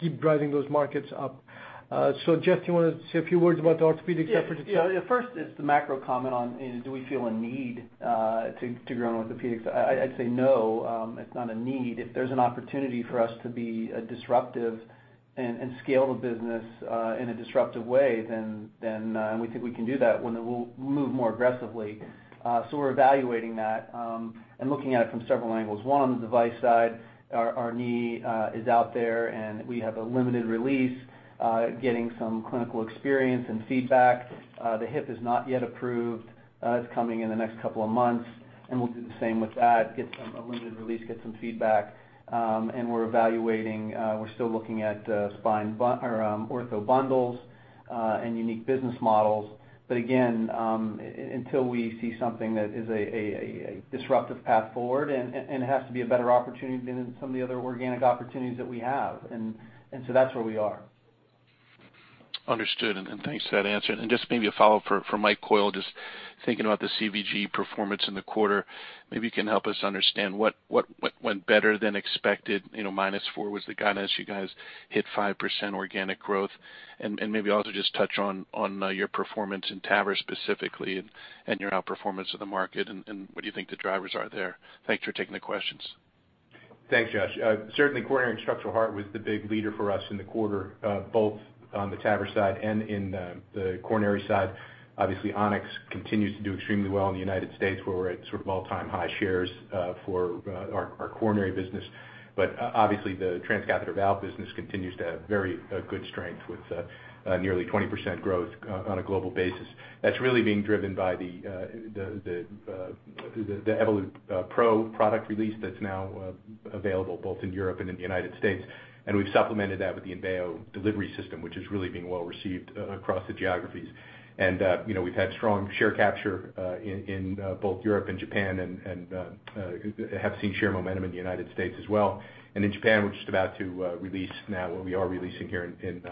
keep driving those markets up. Geoff, do you want to say a few words about the orthopedic effort? Yeah. First is the macro comment on do we feel a need to grow in orthopedics. I'd say no, it's not a need. If there's an opportunity for us to be disruptive and scale the business in a disruptive way, and we think we can do that, then we'll move more aggressively. We're evaluating that and looking at it from several angles. One, on the device side, our knee is out there, and we have a limited release getting some clinical experience and feedback. The hip is not yet approved. It's coming in the next couple of months, and we'll do the same with that, get a limited release, get some feedback. We're evaluating, we're still looking at ortho bundles and unique business models. Again, until we see something that is a disruptive path forward, it has to be a better opportunity than some of the other organic opportunities that we have. That's where we are. Understood, thanks for that answer. Just maybe a follow-up from Mike Coyle, just thinking about the CVG performance in the quarter. Maybe you can help us understand what went better than expected, -4% was the guidance. You guys hit 5% organic growth. Maybe also just touch on your performance in TAVR specifically and your outperformance of the market and what you think the drivers are there. Thanks for taking the questions. Thanks, Josh. Certainly, coronary and structural heart was the big leader for us in the quarter, both on the TAVR side and in the coronary side. Obviously, Onyx continues to do extremely well in the U.S., where we're at sort of all-time high shares for our coronary business. Obviously, the transcatheter valve business continues to have very good strength with nearly 20% growth on a global basis. That's really being driven by the Evolut PRO product release that's now available both in Europe and in the U.S. We've supplemented that with the EnVeo delivery system, which is really being well-received across the geographies. We've had strong share capture in both Europe and Japan and have seen share momentum in the U.S. as well. In Japan, we're just about to release now, or we are releasing here in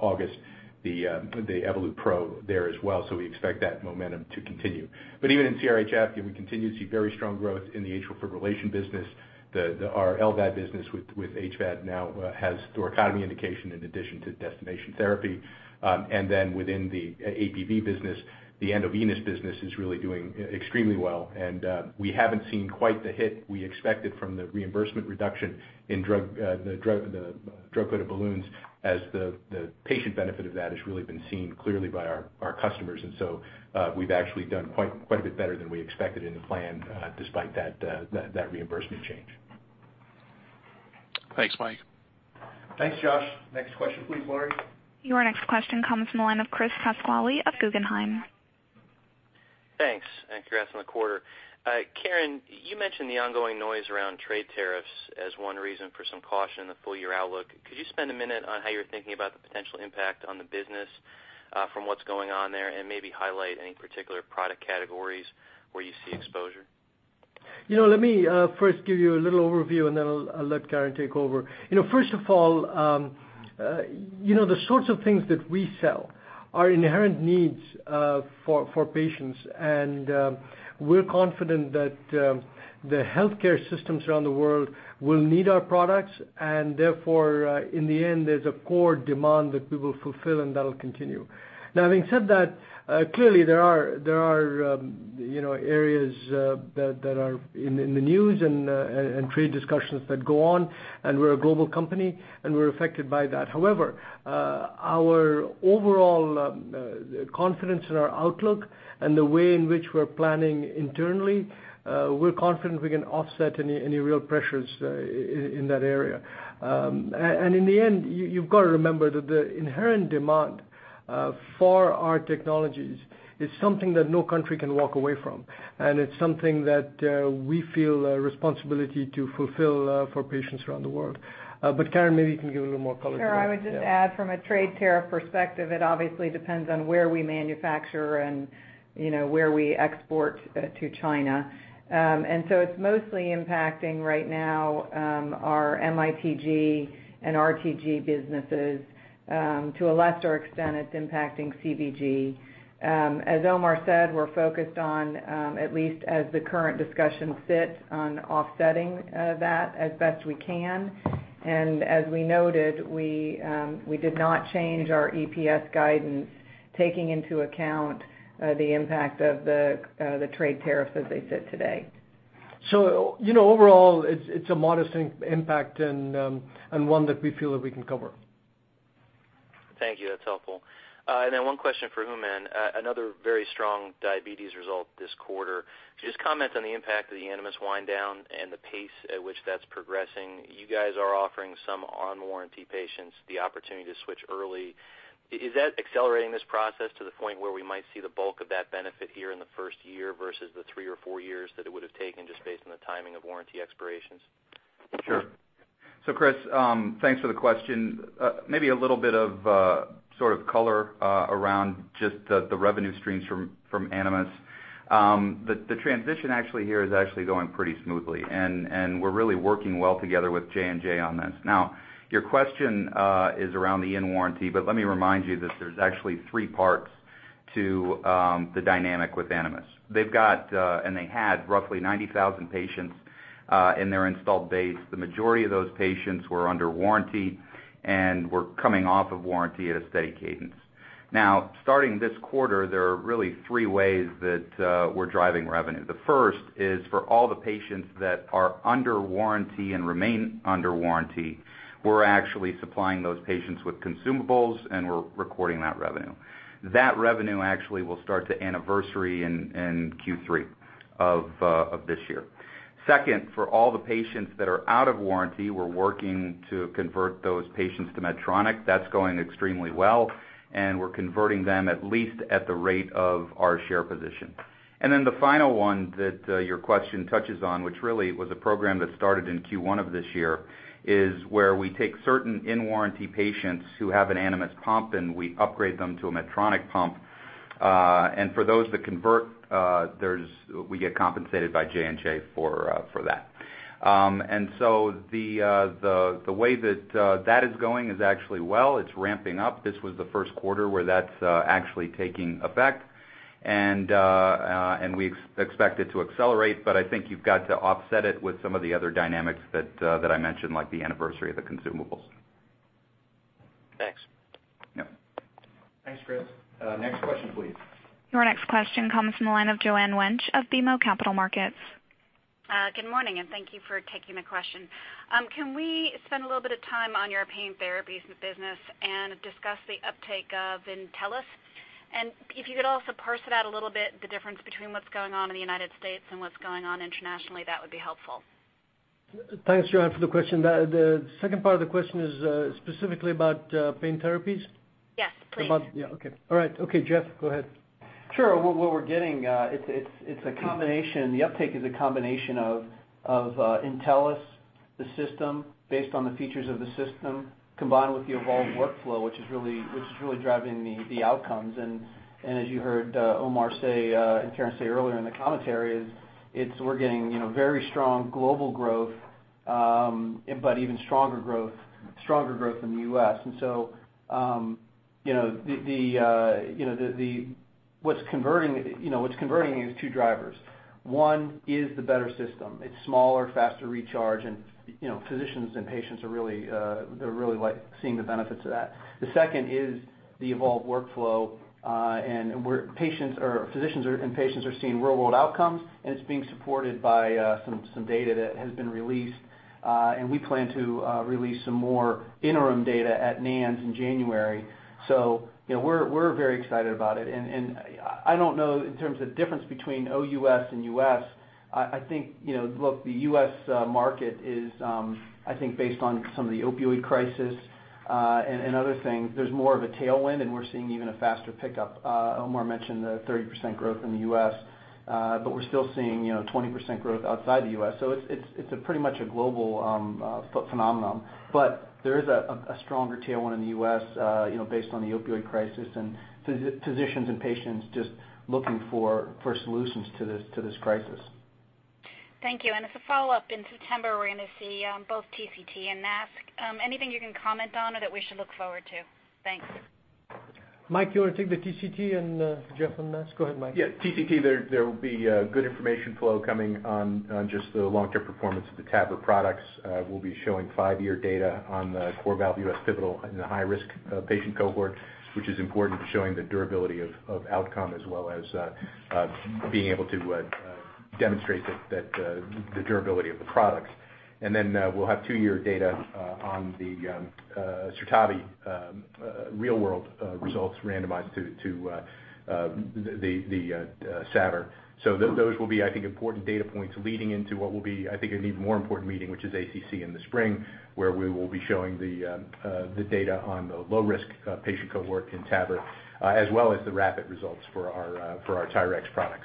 August, the Evolut PRO there as well. We expect that momentum to continue. Even in CRHF, we continue to see very strong growth in the atrial fibrillation business. Our LVAD business with HVAD now has thoracotomy indication in addition to destination therapy. Within the APV business, the endovenous business is really doing extremely well, we haven't seen quite the hit we expected from the reimbursement reduction in the drug-coated balloons as the patient benefit of that has really been seen clearly by our customers. We've actually done quite a bit better than we expected in the plan despite that reimbursement change. Thanks, Mike. Thanks, Josh. Next question please, Laurie. Your next question comes from the line of Chris Pasquale of Guggenheim. Thanks, and congrats on the quarter. Karen, you mentioned the ongoing noise around trade tariffs as one reason for some caution in the full-year outlook. Could you spend a minute on how you're thinking about the potential impact on the business from what's going on there and maybe highlight any particular product categories where you see exposure? Let me first give you a little overview. Then I'll let Karen take over. First of all, the sorts of things that we sell are inherent needs for patients. We're confident that the healthcare systems around the world will need our products. Therefore, in the end, there's a core demand that we will fulfill. That'll continue. Having said that, clearly there are areas that are in the news and trade discussions that go on. We're a global company. We're affected by that. However, our overall confidence in our outlook and the way in which we're planning internally, we're confident we can offset any real pressures in that area. In the end, you've got to remember that the inherent demand for our technologies is something that no country can walk away from. It's something that we feel a responsibility to fulfill for patients around the world. Karen, maybe you can give a little more color. Sure. I would just add from a trade tariff perspective, it obviously depends on where we manufacture and where we export to China. It's mostly impacting right now our MITG and RTG businesses. To a lesser extent, it's impacting CVG. As Omar said, we're focused on, at least as the current discussion sits, on offsetting that as best we can. As we noted, we did not change our EPS guidance, taking into account the impact of the trade tariffs as they sit today. Overall, it's a modest impact and one that we feel that we can cover. Thank you. That's helpful. Then one question for Hooman. Another very strong diabetes result this quarter. Just comment on the impact of the Animas wind down and the pace at which that's progressing. You guys are offering some on-warranty patients the opportunity to switch early. Is that accelerating this process to the point where we might see the bulk of that benefit here in the first year versus the three or four years that it would have taken just based on the timing of warranty expirations? Sure. Chris, thanks for the question. Maybe a little bit of sort of color around just the revenue streams from Animas. The transition actually here is actually going pretty smoothly, and we're really working well together with J&J on this. Your question is around the in warranty, but let me remind you that there's actually three parts to the dynamic with Animas. They've got, and they had roughly 90,000 patients in their installed base. The majority of those patients were under warranty and were coming off of warranty at a steady cadence. Starting this quarter, there are really three ways that we're driving revenue. The first is for all the patients that are under warranty and remain under warranty, we're actually supplying those patients with consumables, and we're recording that revenue. That revenue actually will start to anniversary in Q3 of this year. Second, for all the patients that are out of warranty, we're working to convert those patients to Medtronic. That's going extremely well, and we're converting them at least at the rate of our share position. Then the final one that your question touches on, which really was a program that started in Q1 of this year, is where we take certain in-warranty patients who have an Animas pump, and we upgrade them to a Medtronic pump. For those that convert, we get compensated by J&J for that. The way that is going is actually well. It's ramping up. This was the first quarter where that's actually taking effect, and we expect it to accelerate, but I think you've got to offset it with some of the other dynamics that I mentioned, like the anniversary of the consumables. Thanks. Yep. Thanks, Chris. Next question, please. Your next question comes from the line of Joanne Wuensch of BMO Capital Markets. Good morning, thank you for taking the question. Can we spend a little bit of time on your pain therapies business and discuss the uptake of Intellis? If you could also parse it out a little bit, the difference between what's going on in the United States and what's going on internationally, that would be helpful. Thanks, Joanne, for the question. The second part of the question is specifically about pain therapies? Yes, please. Yeah. Okay. All right. Okay, Geoff, go ahead. Sure. What we're getting, the uptake is a combination of Intellis, the system based on the features of the system, combined with the Evolve workflow, which is really driving the outcomes. As you heard Omar say and Karen say earlier in the commentary is, we're getting very strong global growth, but even stronger growth in the U.S. What's converting is two drivers. One is the better system. It's smaller, faster recharge, and physicians and patients are really seeing the benefits of that. The second is the Evolve workflow, and physicians and patients are seeing real world outcomes, and it's being supported by some data that has been released. We plan to release some more interim data at NANS in January. We're very excited about it. I don't know in terms of the difference between OUS and U.S. I think look, the U.S. market is, I think based on some of the opioid crisis and other things, there's more of a tailwind, and we're seeing even a faster pickup. Omar mentioned the 30% growth in the U.S., we're still seeing 20% growth outside the U.S. It's pretty much a global phenomenon. There is a stronger tailwind in the U.S. based on the opioid crisis and physicians and patients just looking for solutions to this crisis. Thank you. As a follow-up, in September, we're going to see both TCT and NASS. Anything you can comment on or that we should look forward to? Thanks. Mike, you want to take the TCT and Geoff on NASS? Go ahead, Mike. Yeah. TCT, there will be good information flow coming on just the long-term performance of the TAVR products. We'll be showing five-year data on the CoreValve U.S. pivotal in the high-risk patient cohort, which is important for showing the durability of outcome as well as being able to demonstrate the durability of the products. We'll have two-year data on the SURTAVI real world results randomized to the SURTAVI. Those will be, I think, important data points leading into what will be, I think, an even more important meeting, which is ACC in the spring, where we will be showing the data on the low-risk patient cohort in TAVR as well as the rapid results for our TYRX product.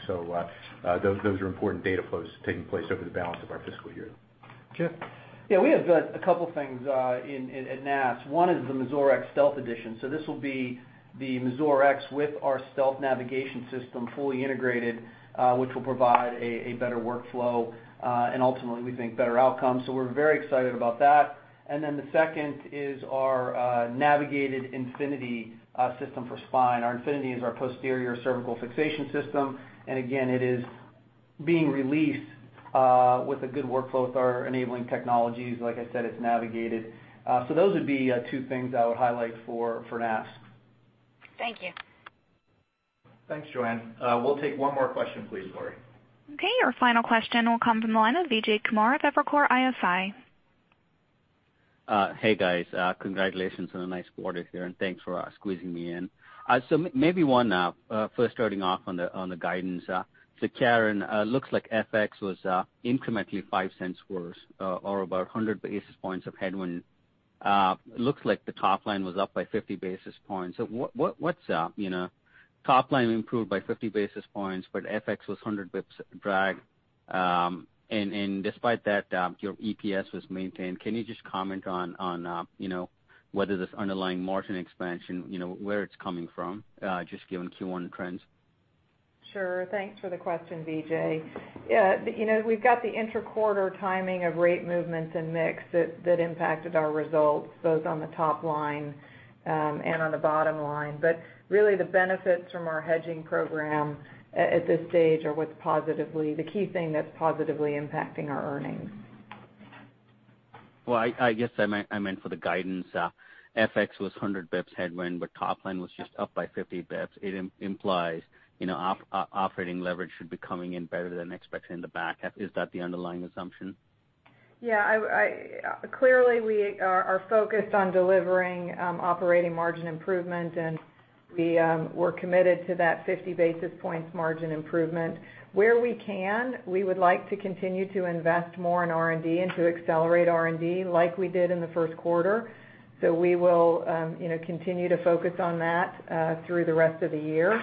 Those are important data flows taking place over the balance of our fiscal year. Geoff? Yeah, we have a couple things at NASS. One is the Mazor X Stealth Edition. This will be the Mazor X with our stealth navigation system fully integrated, which will provide a better workflow and ultimately, we think, better outcomes. We're very excited about that. The second is our navigated Infinity system for spine. Our Infinity is our posterior cervical fixation system, and again, it is being released with a good workflow with our enabling technologies. Like I said, it's navigated. Those would be two things I would highlight for NASS. Thank you. Thanks, Joanne. We'll take one more question please, Lori. Okay. Your final question will come from the line of Vijay Kumar of Evercore ISI. Hey, guys. Congratulations on a nice quarter here, and thanks for squeezing me in. Maybe one, first starting off on the guidance. Karen, looks like FX was incrementally $0.05 worse or about 100 basis points of headwind. Looks like the top line was up by 50 basis points. What's up? Top line improved by 50 basis points, but FX was 100 basis points drag. Despite that, your EPS was maintained. Can you just comment on whether this underlying margin expansion, where it's coming from, just given Q1 trends? Sure. Thanks for the question, Vijay. We've got the inter-quarter timing of rate movements and mix that impacted our results, both on the top line and on the bottom line. Really the benefits from our hedging program at this stage are the key thing that's positively impacting our earnings. Well, I guess I meant for the guidance. FX was 100 bips headwind, top line was just up by 50 bips. It implies operating leverage should be coming in better than expected in the back half. Is that the underlying assumption? Yeah. Clearly, we are focused on delivering operating margin improvement, we're committed to that 50 basis points margin improvement. Where we can, we would like to continue to invest more in R&D and to accelerate R&D like we did in the first quarter. We will continue to focus on that through the rest of the year.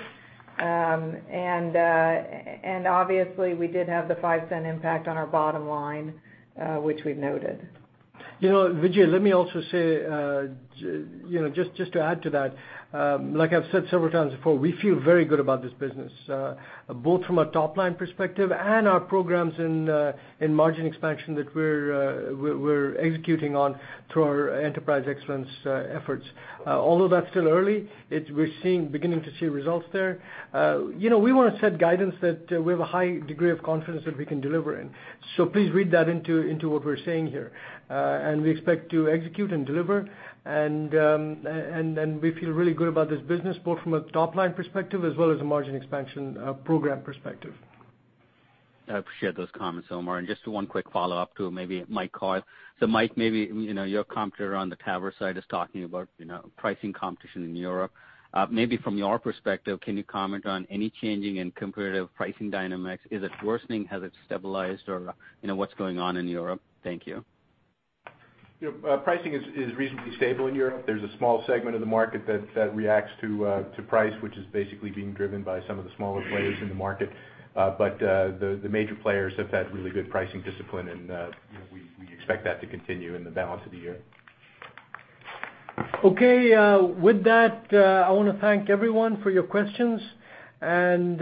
Obviously we did have the $0.05 impact on our bottom line, which we've noted. Vijay, let me also say, just to add to that, like I've said several times before, we feel very good about this business, both from a top-line perspective and our programs in margin expansion that we're executing on through our enterprise excellence efforts. Although that's still early, we're beginning to see results there. Please read that into what we're saying here. We expect to execute and deliver and we feel really good about this business, both from a top-line perspective as well as a margin expansion program perspective. I appreciate those comments, Omar. Just one quick follow-up to maybe Mike Coyle. Mike, maybe your competitor on the TAVR side is talking about pricing competition in Europe. Maybe from your perspective, can you comment on any changing in comparative pricing dynamics? Is it worsening? Has it stabilized? Or what's going on in Europe? Thank you. Pricing is reasonably stable in Europe. There's a small segment of the market that reacts to price, which is basically being driven by some of the smaller players in the market. The major players have had really good pricing discipline and we expect that to continue in the balance of the year. Okay. With that, I want to thank everyone for your questions. On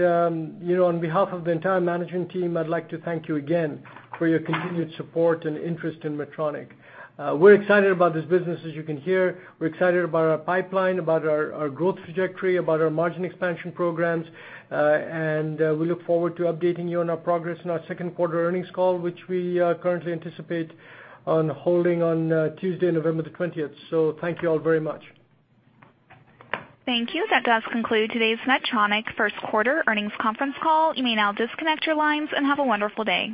behalf of the entire management team, I'd like to thank you again for your continued support and interest in Medtronic. We're excited about this business, as you can hear. We're excited about our pipeline, about our growth trajectory, about our margin expansion programs, and we look forward to updating you on our progress in our second quarter earnings call, which we currently anticipate on holding on Tuesday, November the 20th. Thank you all very much. Thank you. That does conclude today's Medtronic first quarter earnings conference call. You may now disconnect your lines and have a wonderful day.